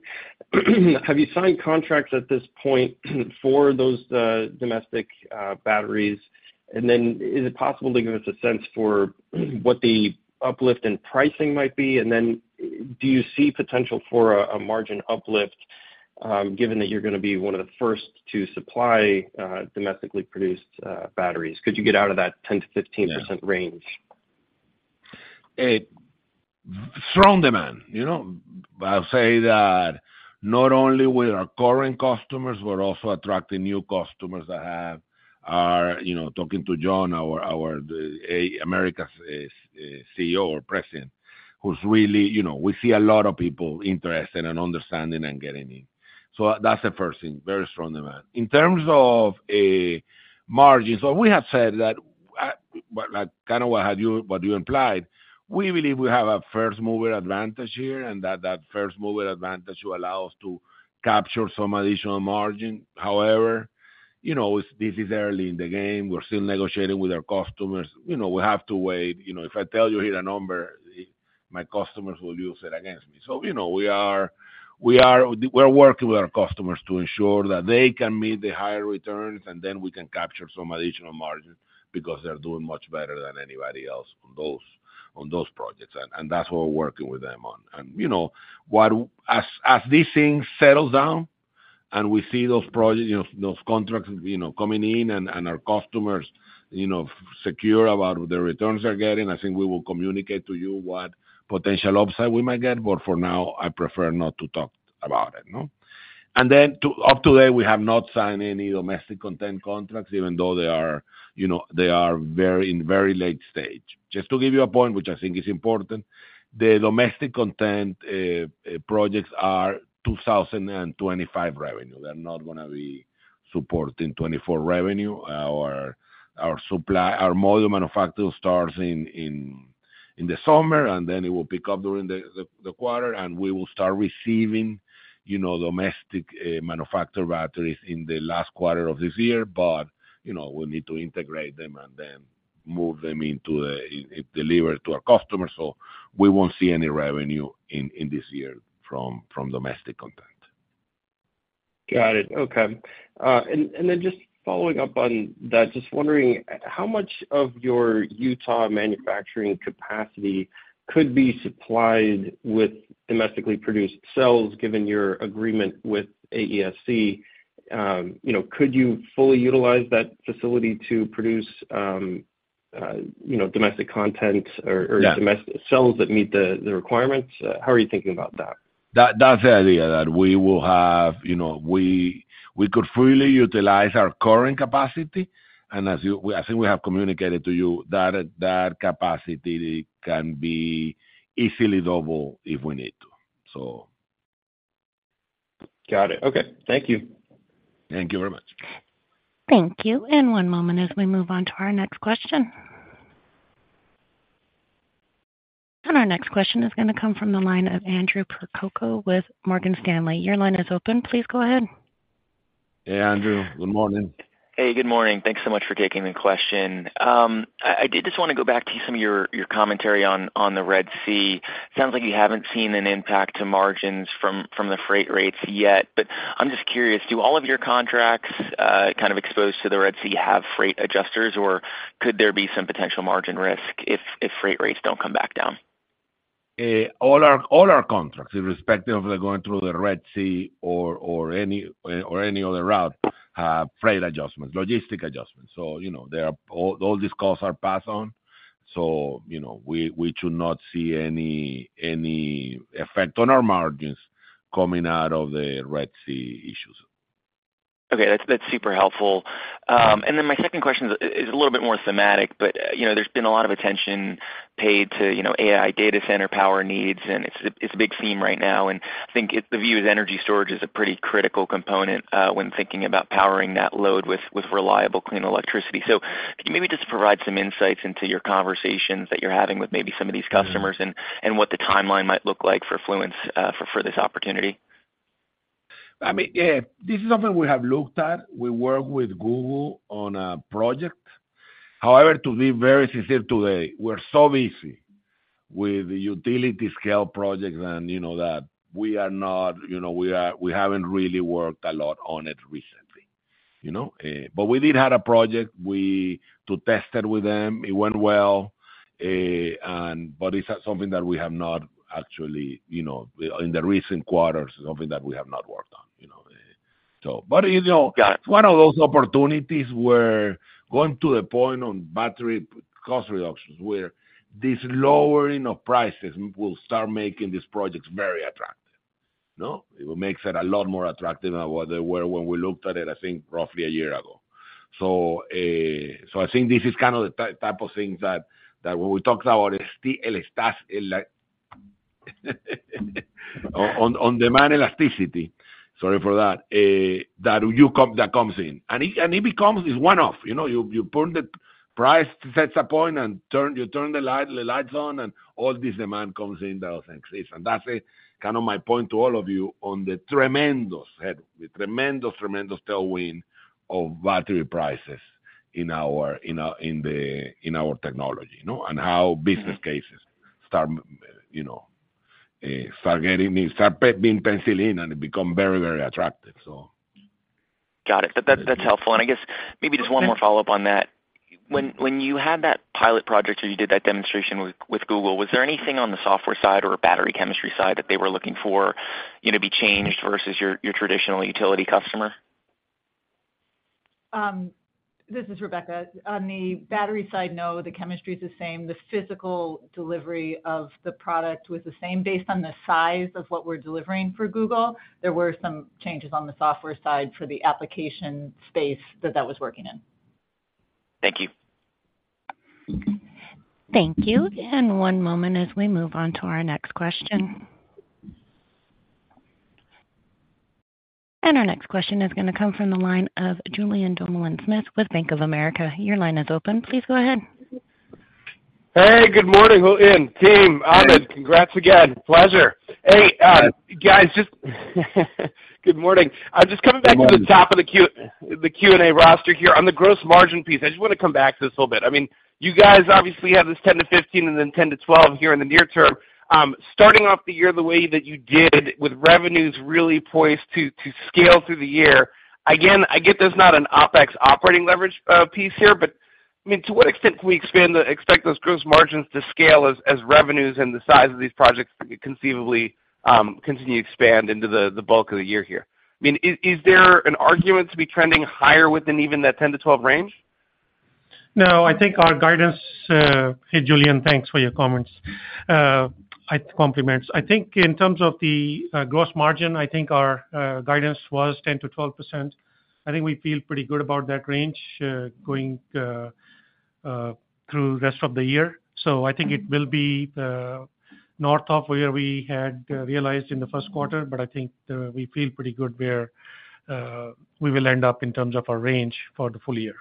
have you signed contracts at this point for those, domestic, batteries? And then, is it possible to give us a sense for what the uplift in pricing might be? And then, do you see potential for a margin uplift, given that you're gonna be one of the first to supply, domestically produced, batteries? Could you get out of that 10%-15% range? Strong demand, you know, but I'll say that not only with our current customers, we're also attracting new customers that have... Are, you know, talking to John, our President of Americas, CEO or president, who's really, you know, we see a lot of people interested and understanding and getting in. So that's the first thing, very strong demand. In terms of margins, so we have said that, well, like, kind of what had you- what you implied, we believe we have a first-mover advantage here, and that first-mover advantage will allow us to capture some additional margin. However, you know, this is early in the game. We're still negotiating with our customers. You know, we have to wait. You know, if I tell you here a number, my customers will use it against me. So, you know, we are—we're working with our customers to ensure that they can meet the higher returns, and then we can capture some additional margin because they're doing much better than anybody else on those projects. That's what we're working with them on. You know, as these things settle down and we see those projects, you know, those contracts, you know, coming in and our customers, you know, secure about the returns they're getting, I think we will communicate to you what potential upside we might get. But for now, I prefer not to talk about it, no? Up to date, we have not signed any domestic content contracts, even though they are, you know, they are very, very late stage. Just to give you a point, which I think is important, the domestic content projects are 2025 revenue. They're not gonna be supporting 2024 revenue. Our supply, our module manufacturing starts in the summer, and then it will pick up during the quarter, and we will start receiving, you know, domestic manufactured batteries in the last quarter of this year. But, you know, we need to integrate them and then move them into a deliver to our customers, so we won't see any revenue in this year from domestic content. Got it. Okay. And then just following up on that, just wondering, how much of your Utah manufacturing capacity could be supplied with domestically produced cells, given your agreement with AESC? You know, could you fully utilize that facility to produce, you know, domestic content or- Yeah... domestic cells that meet the requirements? How are you thinking about that? That's the idea, that we will have, you know, we could fully utilize our current capacity, and as you—we, I think we have communicated to you that capacity can be easily double if we need to. So- Got it. Okay, thank you. Thank you very much. Thank you. One moment as we move on to our next question. Our next question is going to come from the line of Andrew Percoco with Morgan Stanley. Your line is open. Please go ahead. Hey, Andrew. Good morning. Hey, good morning. Thanks so much for taking the question. I did just want to go back to some of your commentary on the Red Sea. Sounds like you haven't seen an impact to margins from the freight rates yet. But I'm just curious, do all of your contracts kind of exposed to the Red Sea have freight adjusters, or could there be some potential margin risk if freight rates don't come back down? All our contracts, irrespective of going through the Red Sea or any other route, freight adjustments, logistics adjustments. So you know, there are all these costs are passed on. So, you know, we should not see any effect on our margins coming out of the Red Sea issues. Okay, that's, that's super helpful. And then my second question is a little bit more thematic, but, you know, there's been a lot of attention paid to, you know, AI data center power needs, and it's a, it's a big theme right now. And I think it's the view as energy storage is a pretty critical component, when thinking about powering that load with, with reliable, clean electricity. So could you maybe just provide some insights into your conversations that you're having with maybe some of these customers and, and what the timeline might look like for Fluence, for, for this opportunity? I mean, this is something we have looked at. We work with Google on a project. However, to be very sincere, today, we're so busy with utility scale projects and, you know, that we haven't really worked a lot on it recently, you know? But we did have a project to test it with them. It went well, and but it's something that we have not actually, you know, in the recent quarters, something that we have not worked on, you know. But, you know, it's one of those opportunities where going to the point on battery cost reductions, where this lowering of prices will start making these projects very attractive. No? It makes it a lot more attractive than what they were when we looked at it, I think, roughly a year ago. So, I think this is kind of the type of things that, that when we talk about elasticity, on-demand elasticity, sorry for that, that comes in. And it becomes this one-off. You know, you put the price sets a point, and you turn the lights on, and all this demand comes in that exists. And that's kind of my point to all of you on the tremendous, the tremendous tailwind of battery prices in our technology, you know, and how business cases start, you know, start getting made, start being penciled in, and it become very, very attractive. So... Got it. That, that's helpful. And I guess maybe just one more follow-up on that. When you had that pilot project or you did that demonstration with Google, was there anything on the software side or battery chemistry side that they were looking for, you know, to be changed versus your traditional utility customer? This is Rebecca. On the battery side, no, the chemistry is the same. The physical delivery of the product was the same. Based on the size of what we're delivering for Google, there were some changes on the software side for the application space that was working in. Thank you. Thank you. And one moment as we move on to our next question. And our next question is going to come from the line of Julien Dumoulin-Smith with Bank of America. Your line is open. Please go ahead. Hey, good morning, Julian, team. Ahmed, congrats again. Pleasure. Hey, guys, just good morning. I'm just coming back to the top of the Q, the Q&A roster here. On the gross margin piece, I just want to come back to this a little bit. I mean, you guys obviously have this 10%-15% and then 10%-12% here in the near term. Starting off the year, the way that you did with revenues really poised to scale through the year, again, I get there's not an OpEx operating leverage piece here, but I mean, to what extent can we expect those gross margins to scale as revenues and the size of these projects conceivably continue to expand into the bulk of the year here? I mean, is there an argument to be trending higher within even that 10%-12% range? No, I think our guidance. Hey, Julien, thanks for your comments. Compliments. I think in terms of the gross margin, I think our guidance was 10%-12%. I think we feel pretty good about that range, going through the rest of the year. So I think it will be north of where we had realized in the first quarter, but I think we feel pretty good where we will end up in terms of our range for the full year.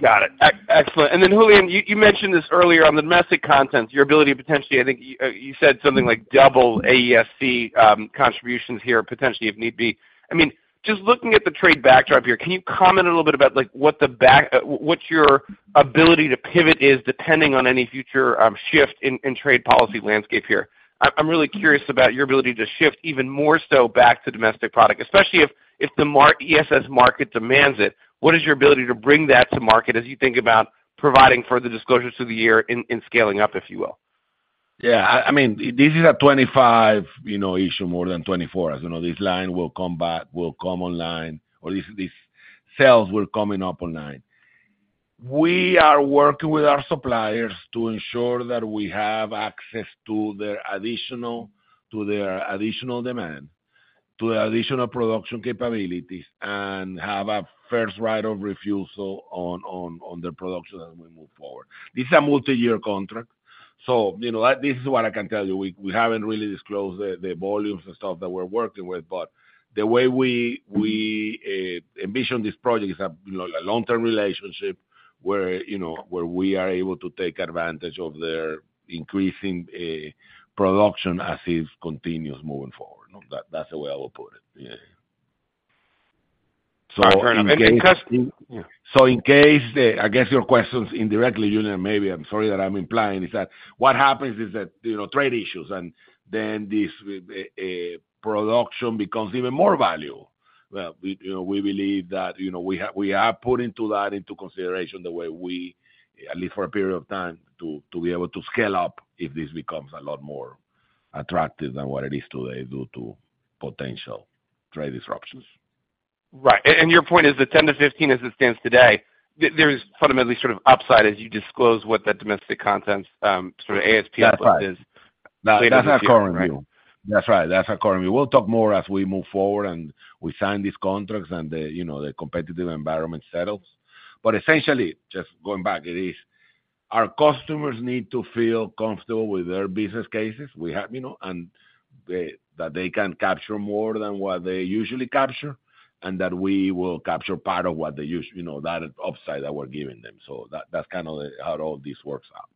Got it. Excellent. And then, Julian, you mentioned this earlier on domestic content, your ability to potentially I think you said something like double AESC contributions here, potentially, if need be. I mean, just looking at the trade backdrop here, can you comment a little bit about like, what the back-- what your ability to pivot is, depending on any future shift in trade policy landscape here? I'm really curious about your ability to shift even more so back to domestic product, especially if the ESS market demands it, what is your ability to bring that to market as you think about providing further disclosures to the year in scaling up, if you will? Yeah, I mean, this is a 2025, you know, issue, more than 2024. As you know, this line will come back, will come online, or these cells will come online. We are working with our suppliers to ensure that we have access to their additional production capabilities and have a first right of refusal on the production as we move forward. This is a multi-year contract, so, you know, that, this is what I can tell you. We haven't really disclosed the volumes and stuff that we're working with, but the way we envision this project is a, you know, a long-term relationship where we are able to take advantage of their increasing production as it continues moving forward. No, that's the way I will put it. Yeah. I heard them. And because- So in case, I guess your questions indirectly, Julien, maybe I'm sorry that I'm implying, is that what happens is that, you know, trade issues, and then this, production becomes even more value. Well, we, you know, we believe that, you know, we have, we are putting that into consideration the way we, at least for a period of time, to be able to scale up if this becomes a lot more attractive than what it is today due to potential trade disruptions. Right. And your point is that 10-15 as it stands today, there is fundamentally sort of upside as you disclose what that domestic content sort of ASP upside is. That's right. That's our current view. Right. That's right. That's our current view. We'll talk more as we move forward and we sign these contracts and the, you know, the competitive environment settles. But essentially, just going back, it is our customers need to feel comfortable with their business cases. We have, you know, and they- that they can capture more than what they usually capture, and that we will capture part of what they usually... You know, that upside that we're giving them. So that, that's kind of how all this works out.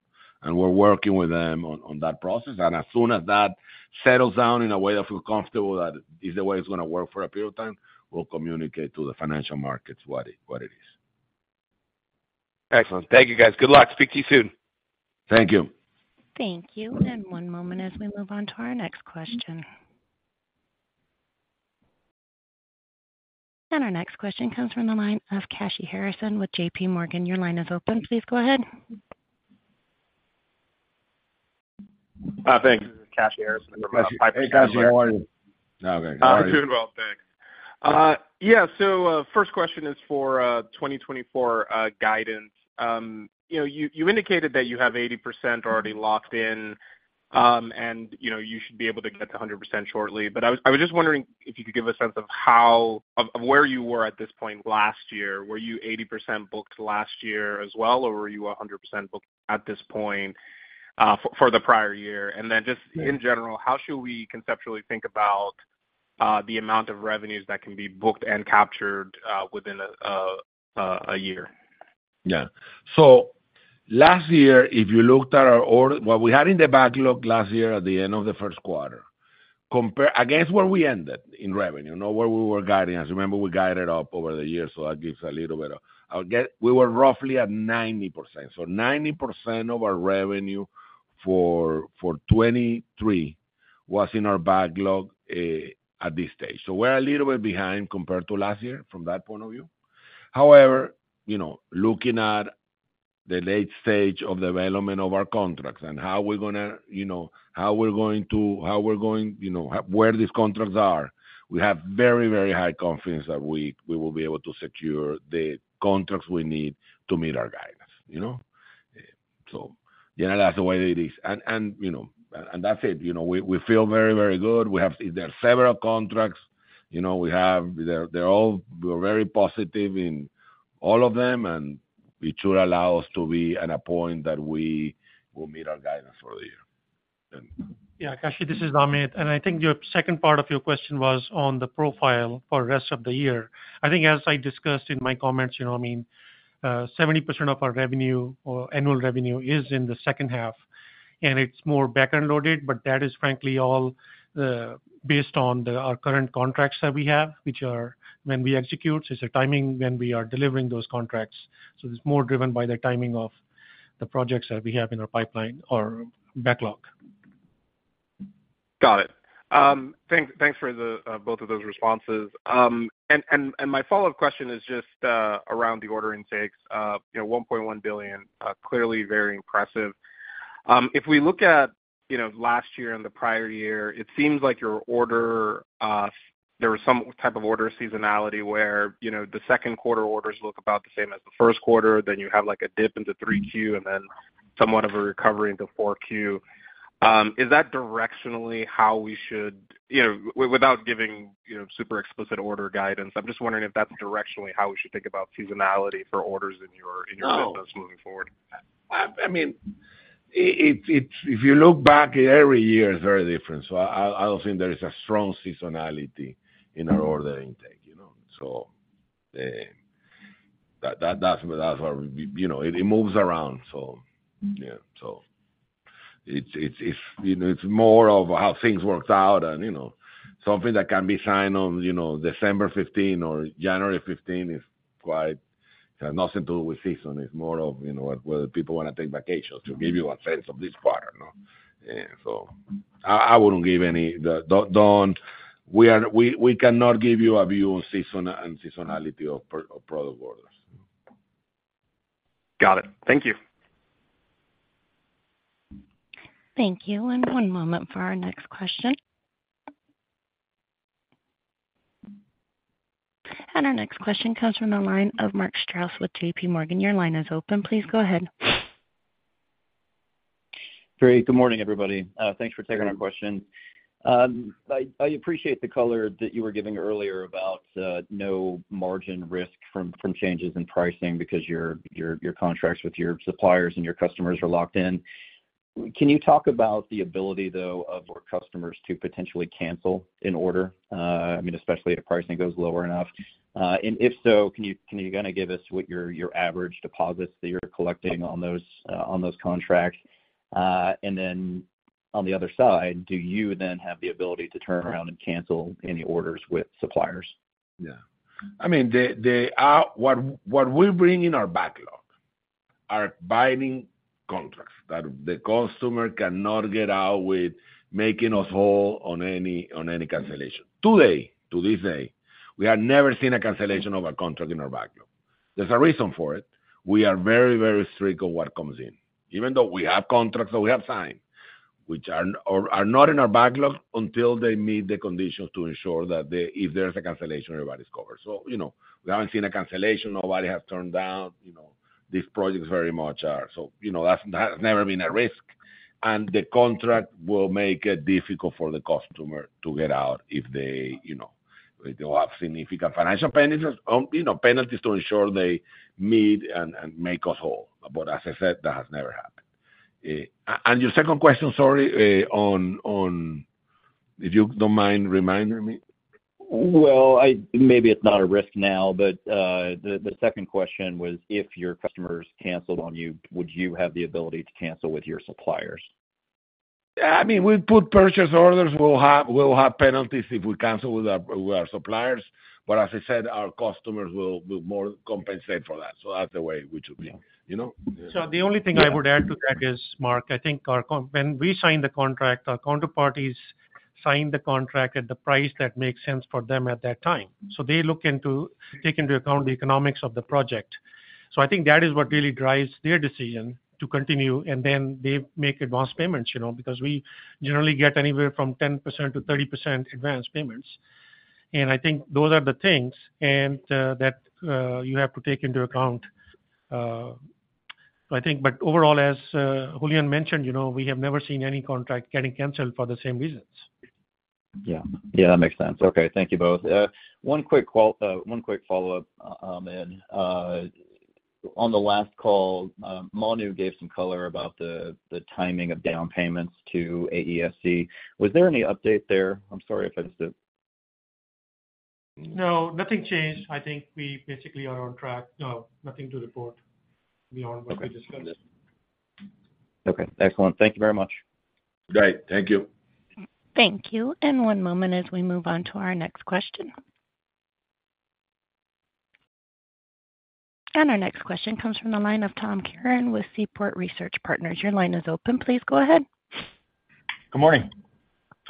And we're working with them on, on that process, and as soon as that settles down in a way that feel comfortable, that is the way it's gonna work for a period of time, we'll communicate to the financial markets what it, what it is. Excellent. Thank you, guys. Good luck. Speak to you soon. Thank you. Thank you. And one moment as we move on to our next question. And our next question comes from the line of Kashy Harrison with JPMorgan. Your line is open. Please go ahead. Thanks. This is Kashy Harrison from Piper Sandler. Hey, Kashy, how are you? Okay. I'm doing well, thanks. Yeah, so first question is for 2024 guidance. You know, you indicated that you have 80% already locked in, and you should be able to get to 100% shortly. But I was just wondering if you could give a sense of how of where you were at this point last year. Were you 80% booked last year as well, or were you 100% booked at this point for the prior year? And then just- Yeah... in general, how should we conceptually think about the amount of revenues that can be booked and captured within a year? Yeah. So last year, if you looked at our order, what we had in the backlog last year at the end of the first quarter, compare against where we ended in revenue, not where we were guiding. As you remember, we guided up over the years, so that gives a little better. Again, we were roughly at 90%. So 90% of our revenue for 2023 was in our backlog at this stage. So we're a little bit behind compared to last year from that point of view. However, you know, looking at the late stage of the development of our contracts and how we're gonna, you know, how we're going to, you know, where these contracts are, we have very, very high confidence that we will be able to secure the contracts we need to meet our guidance, you know? So yeah, that's the way it is. And you know, that's it. You know, we feel very, very good. We have several contracts, you know. They're all—we're very positive in all of them, and it should allow us to be at a point that we will meet our guidance for the year. Yeah, Kashy, this is Ahmed. I think your second part of your question was on the profile for the rest of the year. I think as I discussed in my comments, you know, I mean, 70% of our revenue or annual revenue is in the second half, and it's more back-ended loaded, but that is frankly all based on our current contracts that we have, which are when we execute. It's a timing when we are delivering those contracts, so it's more driven by the timing of the projects that we have in our pipeline or backlog. Got it. Thanks for both of those responses. My follow-up question is just around the order intakes. You know, $1.1 billion clearly very impressive. If we look at, you know, last year and the prior year, it seems like your order there was some type of order seasonality where, you know, the second quarter orders look about the same as the first quarter, then you have, like, a dip into 3Q, and then somewhat of a recovery into 4Q. Is that directionally how we should... You know, without giving, you know, super explicit order guidance, I'm just wondering if that's directionally how we should think about seasonality for orders in your, in your- No - business moving forward? I mean, it's if you look back, every year is very different. So I don't think there is a strong seasonality in our order intake, you know? So, that's where, you know, it moves around, so yeah. So it's, you know, it's more of how things worked out and, you know, something that can be signed on, you know, December 15 or January 15 is quite nothing to do with season. It's more of, you know, whether people wanna take vacations, to give you a sense of this part, you know? So I wouldn't give any. Don't—we cannot give you a view on season and seasonality of product orders. Got it. Thank you. Thank you. And one moment for our next question. And our next question comes from the line of Mark Strouse with JPMorgan. Your line is open. Please go ahead. Great. Good morning, everybody. Thanks for taking our question. I appreciate the color that you were giving earlier about no margin risk from changes in pricing because your contracts with your suppliers and your customers are locked in. Can you talk about the ability, though, of your customers to potentially cancel an order, I mean, especially if the pricing goes lower enough? And if so, can you kind of give us what your average deposits that you're collecting on those contracts? And then on the other side, do you then have the ability to turn around and cancel any orders with suppliers? Yeah. I mean, what we bring in our backlog are binding contracts that the customer cannot get out with making us whole on any, on any cancellation. Today, to this day, we have never seen a cancellation of a contract in our backlog. There's a reason for it. We are very, very strict on what comes in. Even though we have contracts that we have signed, which are, or are not in our backlog until they meet the conditions to ensure that they—if there's a cancellation, everybody's covered. So, you know, we haven't seen a cancellation. Nobody has turned down. You know, these projects very much are... So, you know, that's, that has never been at risk, and the contract will make it difficult for the customer to get out if they, you know, they'll have significant financial penalties, you know, penalties to ensure they meet and make us whole. But as I said, that has never happened. And your second question, sorry, on... If you don't mind reminding me? Well, maybe it's not a risk now, but the second question was, if your customers canceled on you, would you have the ability to cancel with your suppliers? Yeah, I mean, we put purchase orders. We'll have, we'll have penalties if we cancel with our, with our suppliers. But as I said, our customers will, will more compensate for that. So that's the way we should be, you know? So the only thing I would add to that is, Mark, I think our contract when we sign the contract, our counterparties sign the contract at the price that makes sense for them at that time. So they look into, take into account the economics of the project. So I think that is what really drives their decision to continue, and then they make advanced payments, you know, because we generally get anywhere from 10%-30% advanced payments. And I think those are the things, and that you have to take into account. I think, but overall, as Julian mentioned, you know, we have never seen any contract getting canceled for the same reasons. Yeah. Yeah, that makes sense. Okay, thank you both. One quick follow-up, and on the last call, Manu gave some color about the timing of down payments to AESC. Was there any update there? I'm sorry if I just, No, nothing changed. I think we basically are on track. No, nothing to report beyond what we discussed. Okay, excellent. Thank you very much. Great. Thank you. Thank you. And one moment as we move on to our next question. And our next question comes from the line of Tom Curran with Seaport Research Partners. Your line is open. Please go ahead. Good morning.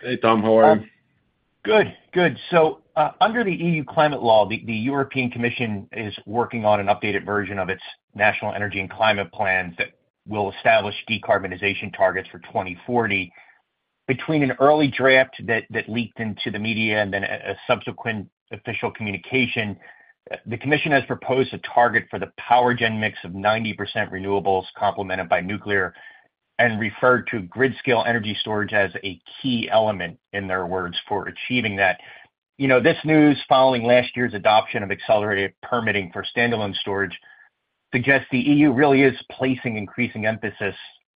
Hey, Tom. How are you? Good. Good. So, under the EU climate law, the European Commission is working on an updated version of its National Energy and Climate Plans that will establish decarbonization targets for 2040. Between an early draft that leaked into the media and then a subsequent official communication, the commission has proposed a target for the power gen mix of 90% renewables, complemented by nuclear, and referred to grid-scale energy storage as a key element, in their words, for achieving that. You know, this news, following last year's adoption of accelerated permitting for standalone storage, suggests the EU really is placing increasing emphasis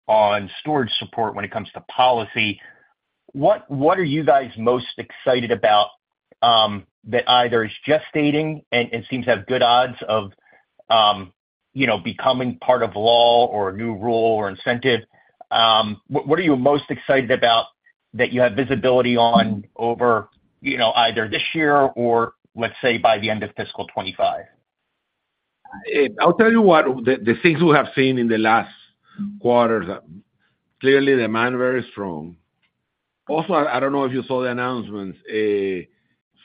on storage support when it comes to policy. What are you guys most excited about, that either is gestating and seems to have good odds of, you know, becoming part of law or a new rule or incentive? What are you most excited about that you have visibility on over, you know, either this year or let's say, by the end of fiscal 2025? I'll tell you what, the things we have seen in the last quarters, clearly, demand very strong. Also, I don't know if you saw the announcements,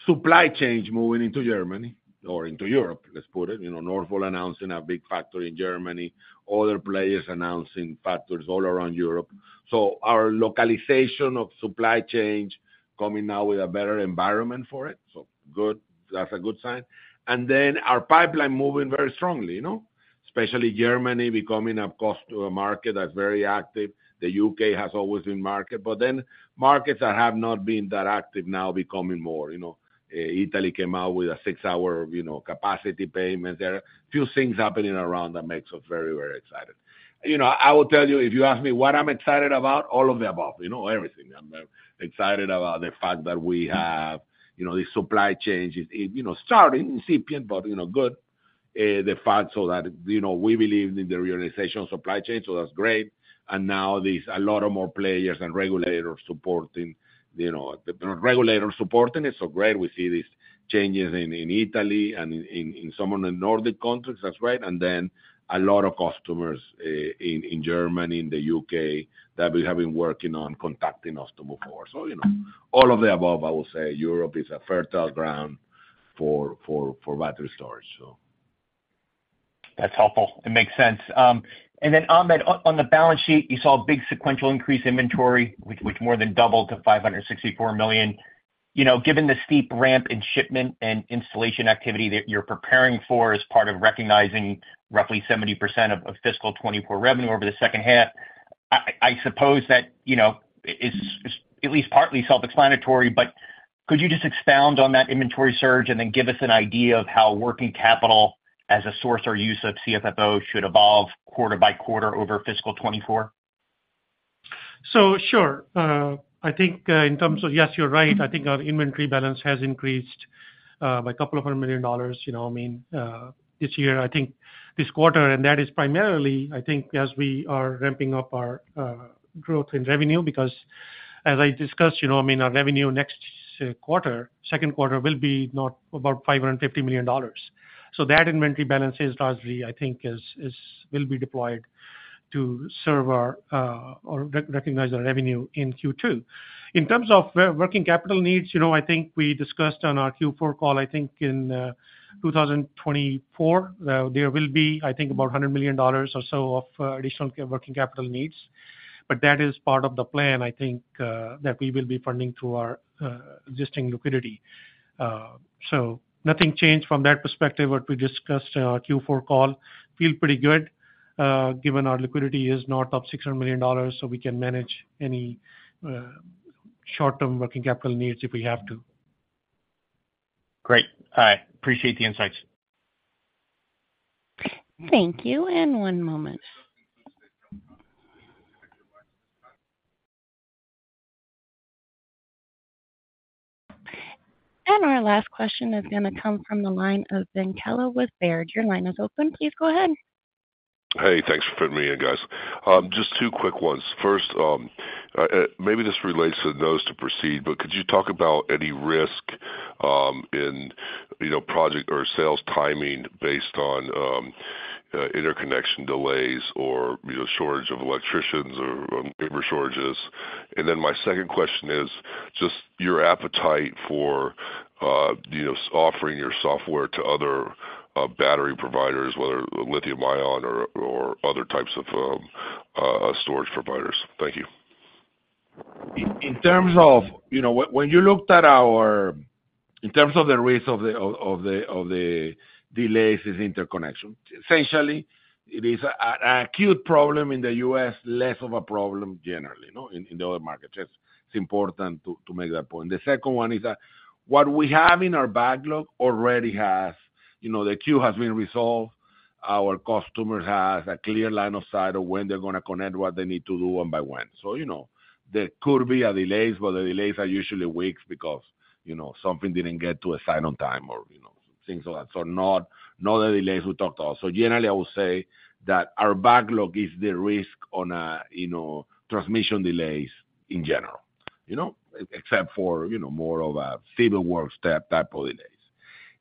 supply chain moving into Germany or into Europe, let's put it, you know, Northvolt announcing a big factory in Germany, other players announcing factories all around Europe. So our localization of supply chains coming now with a better environment for it. So good. That's a good sign. And then our pipeline moving very strongly, you know? Especially Germany becoming a hotspot, a market that's very active. The U.K. has always been a market, but then markets that have not been that active now becoming more, you know. Italy came out with a six-hour, you know, capacity payment there. A few things happening around that makes us very, very excited. You know, I will tell you, if you ask me what I'm excited about, all of the above, you know, everything. I'm excited about the fact that we have, you know, the supply chain is, you know, starting, incipient, but, you know, good. The fact so that, you know, we believe in the realization of supply chain, so that's great. And now there's a lot of more players and regulators supporting, you know, the regulators supporting it. So great, we see these changes in Italy and in some of the Nordic countries. That's right. And then a lot of customers in Germany, in the U.K., that we have been working on contacting us to move forward. So, you know, all of the above, I will say Europe is a fertile ground for battery storage, so. That's helpful. It makes sense. And then, Ahmed, on the balance sheet, you saw a big sequential increase in inventory, which more than doubled to $564 million. You know, given the steep ramp in shipment and installation activity that you're preparing for as part of recognizing roughly 70% of fiscal 2024 revenue over the second half, I suppose that, you know, it's at least partly self-explanatory, but could you just expound on that inventory surge and then give us an idea of how working capital as a source or use of CFFO should evolve quarter by quarter over fiscal 2024? Sure. I think in terms of— Yes, you're right. I think our inventory balance has increased by a couple of hundred million dollars, you know, I mean, this year. I think this quarter, and that is primarily, I think, as we are ramping up our growth in revenue. Because as I discussed, you know, I mean, our revenue next quarter, second quarter, will be about $550 million. So that inventory balance is largely, I think, will be deployed to serve our or recognize our revenue in Q2. In terms of our working capital needs, you know, I think we discussed on our Q4 call, I think in 2024, there will be, I think, about $100 million or so of additional working capital needs. But that is part of the plan, I think, that we will be funding through our existing liquidity. So nothing changed from that perspective what we discussed on our Q4 call. Feel pretty good, given our liquidity is north of $600 million, so we can manage any short-term working capital needs if we have to. Great. I appreciate the insights. Thank you, and one moment. Our last question is gonna come from the line of Ben Kallo with Baird. Your line is open. Please go ahead. Hey, thanks for fitting me in, guys. Just two quick ones. First, maybe this relates to the Notice to Proceed, but could you talk about any risk in, you know, project or sales timing based on interconnection delays or, you know, shortage of electricians or labor shortages? And then my second question is just your appetite for, you know, offering your software to other battery providers, whether lithium-ion or other types of storage providers. Thank you. In terms of, you know, when you looked at our... In terms of the risk of the delays is interconnection. Essentially, it is an acute problem in the U.S., less of a problem generally, you know, in the other markets. It's important to make that point. The second one is that what we have in our backlog already has, you know, the queue has been resolved. Our customer has a clear line of sight of when they're gonna connect, what they need to do, one by one. So, you know, there could be delays, but the delays are usually weeks because, you know, something didn't get to a site on time or, you know, things like that. So not the delays we talked about. So generally, I would say that our backlog is the risk on, you know, transmission delays in general, you know, except for, you know, more of a civil work step type of delays.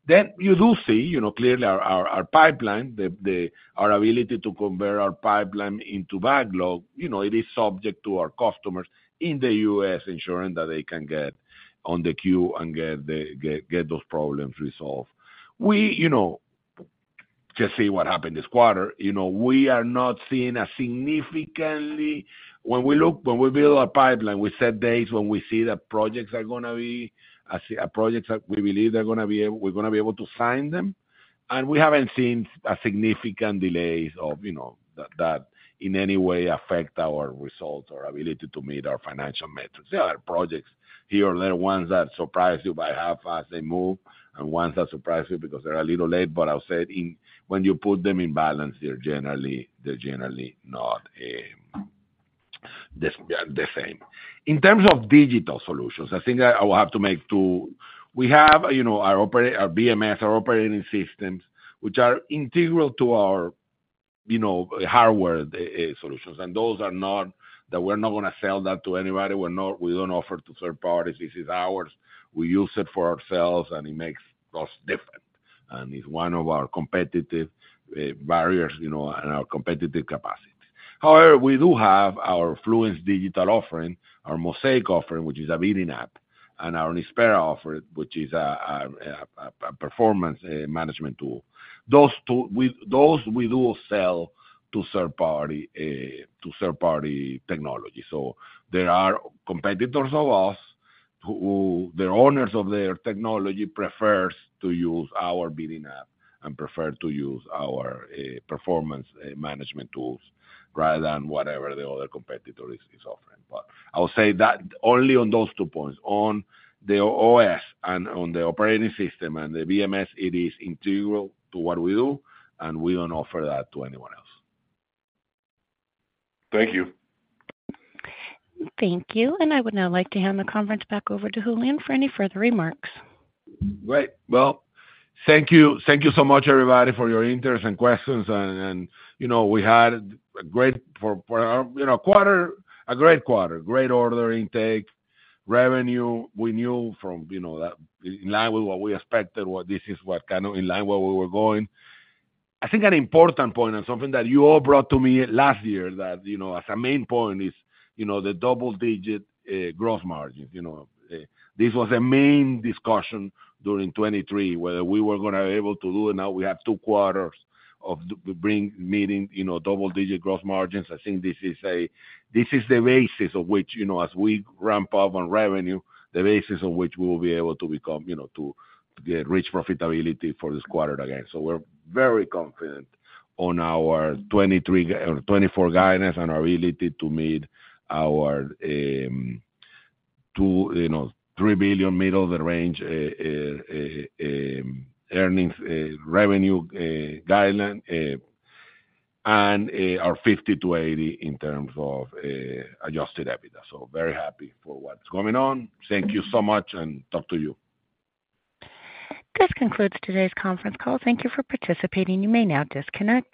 Then you do see, you know, clearly our pipeline, the our ability to convert our pipeline into backlog, you know, it is subject to our customers in the U.S., ensuring that they can get on the queue and get those problems resolved. We just see what happened this quarter. You know, we are not seeing a significantly—When we build our pipeline, we set dates when we see that projects are gonna be projects that we believe we're gonna be able to sign them. And we haven't seen significant delays of, you know, that, that in any way affect our results or ability to meet our financial metrics. There are projects here or there, ones that surprise you by how fast they move and ones that surprise you because they're a little late, but I'll say when you put them in balance, they're generally, they're generally not the same. In terms of digital solutions, I think I will have to make two. We have, you know, our BMS, our operating systems, which are integral to our, you know, hardware solutions. And those are not, that we're not gonna sell that to anybody. We're not, we don't offer to third parties. This is ours. We use it for ourselves, and it makes us different. It's one of our competitive barriers, you know, and our competitive capacity. However, we do have our Fluence digital offering, our Mosaic offering, which is a bidding app, and our Nispera offering, which is a performance management tool. Those two, those we do sell to third party, to third-party technology. So there are competitors of us who the owners of their technology prefers to use our bidding app and prefer to use our performance management tools rather than whatever the other competitor is offering. But I'll say that only on those two points, on the OS and on the operating system and the BMS, it is integral to what we do, and we don't offer that to anyone else. Thank you. Thank you, and I would now like to hand the conference back over to Julian for any further remarks. Great. Well, thank you. Thank you so much, everybody, for your interest and questions, and you know, we had a great quarter, a great quarter, great order intake. Revenue, we knew from you know that in line with what we expected, what this is, what kind of in line where we were going. I think an important point and something that you all brought to me last year that you know as a main point is you know the double-digit gross margins you know. This was a main discussion during 2023, whether we were gonna able to do it. Now we have two quarters of delivering meaning you know double-digit gross margins. I think this is the basis of which, you know, as we ramp up on revenue, the basis on which we will be able to become, you know, to get reach profitability for this quarter again. So we're very confident on our 2023, 2024 guidance and our ability to meet our $2billion-$3 billion middle of the range earnings revenue guidance and our $50million-$80 million in terms of adjusted EBITDA. So very happy for what's going on. Thank you so much, and talk to you. This concludes today's conference call. Thank you for participating. You may now disconnect.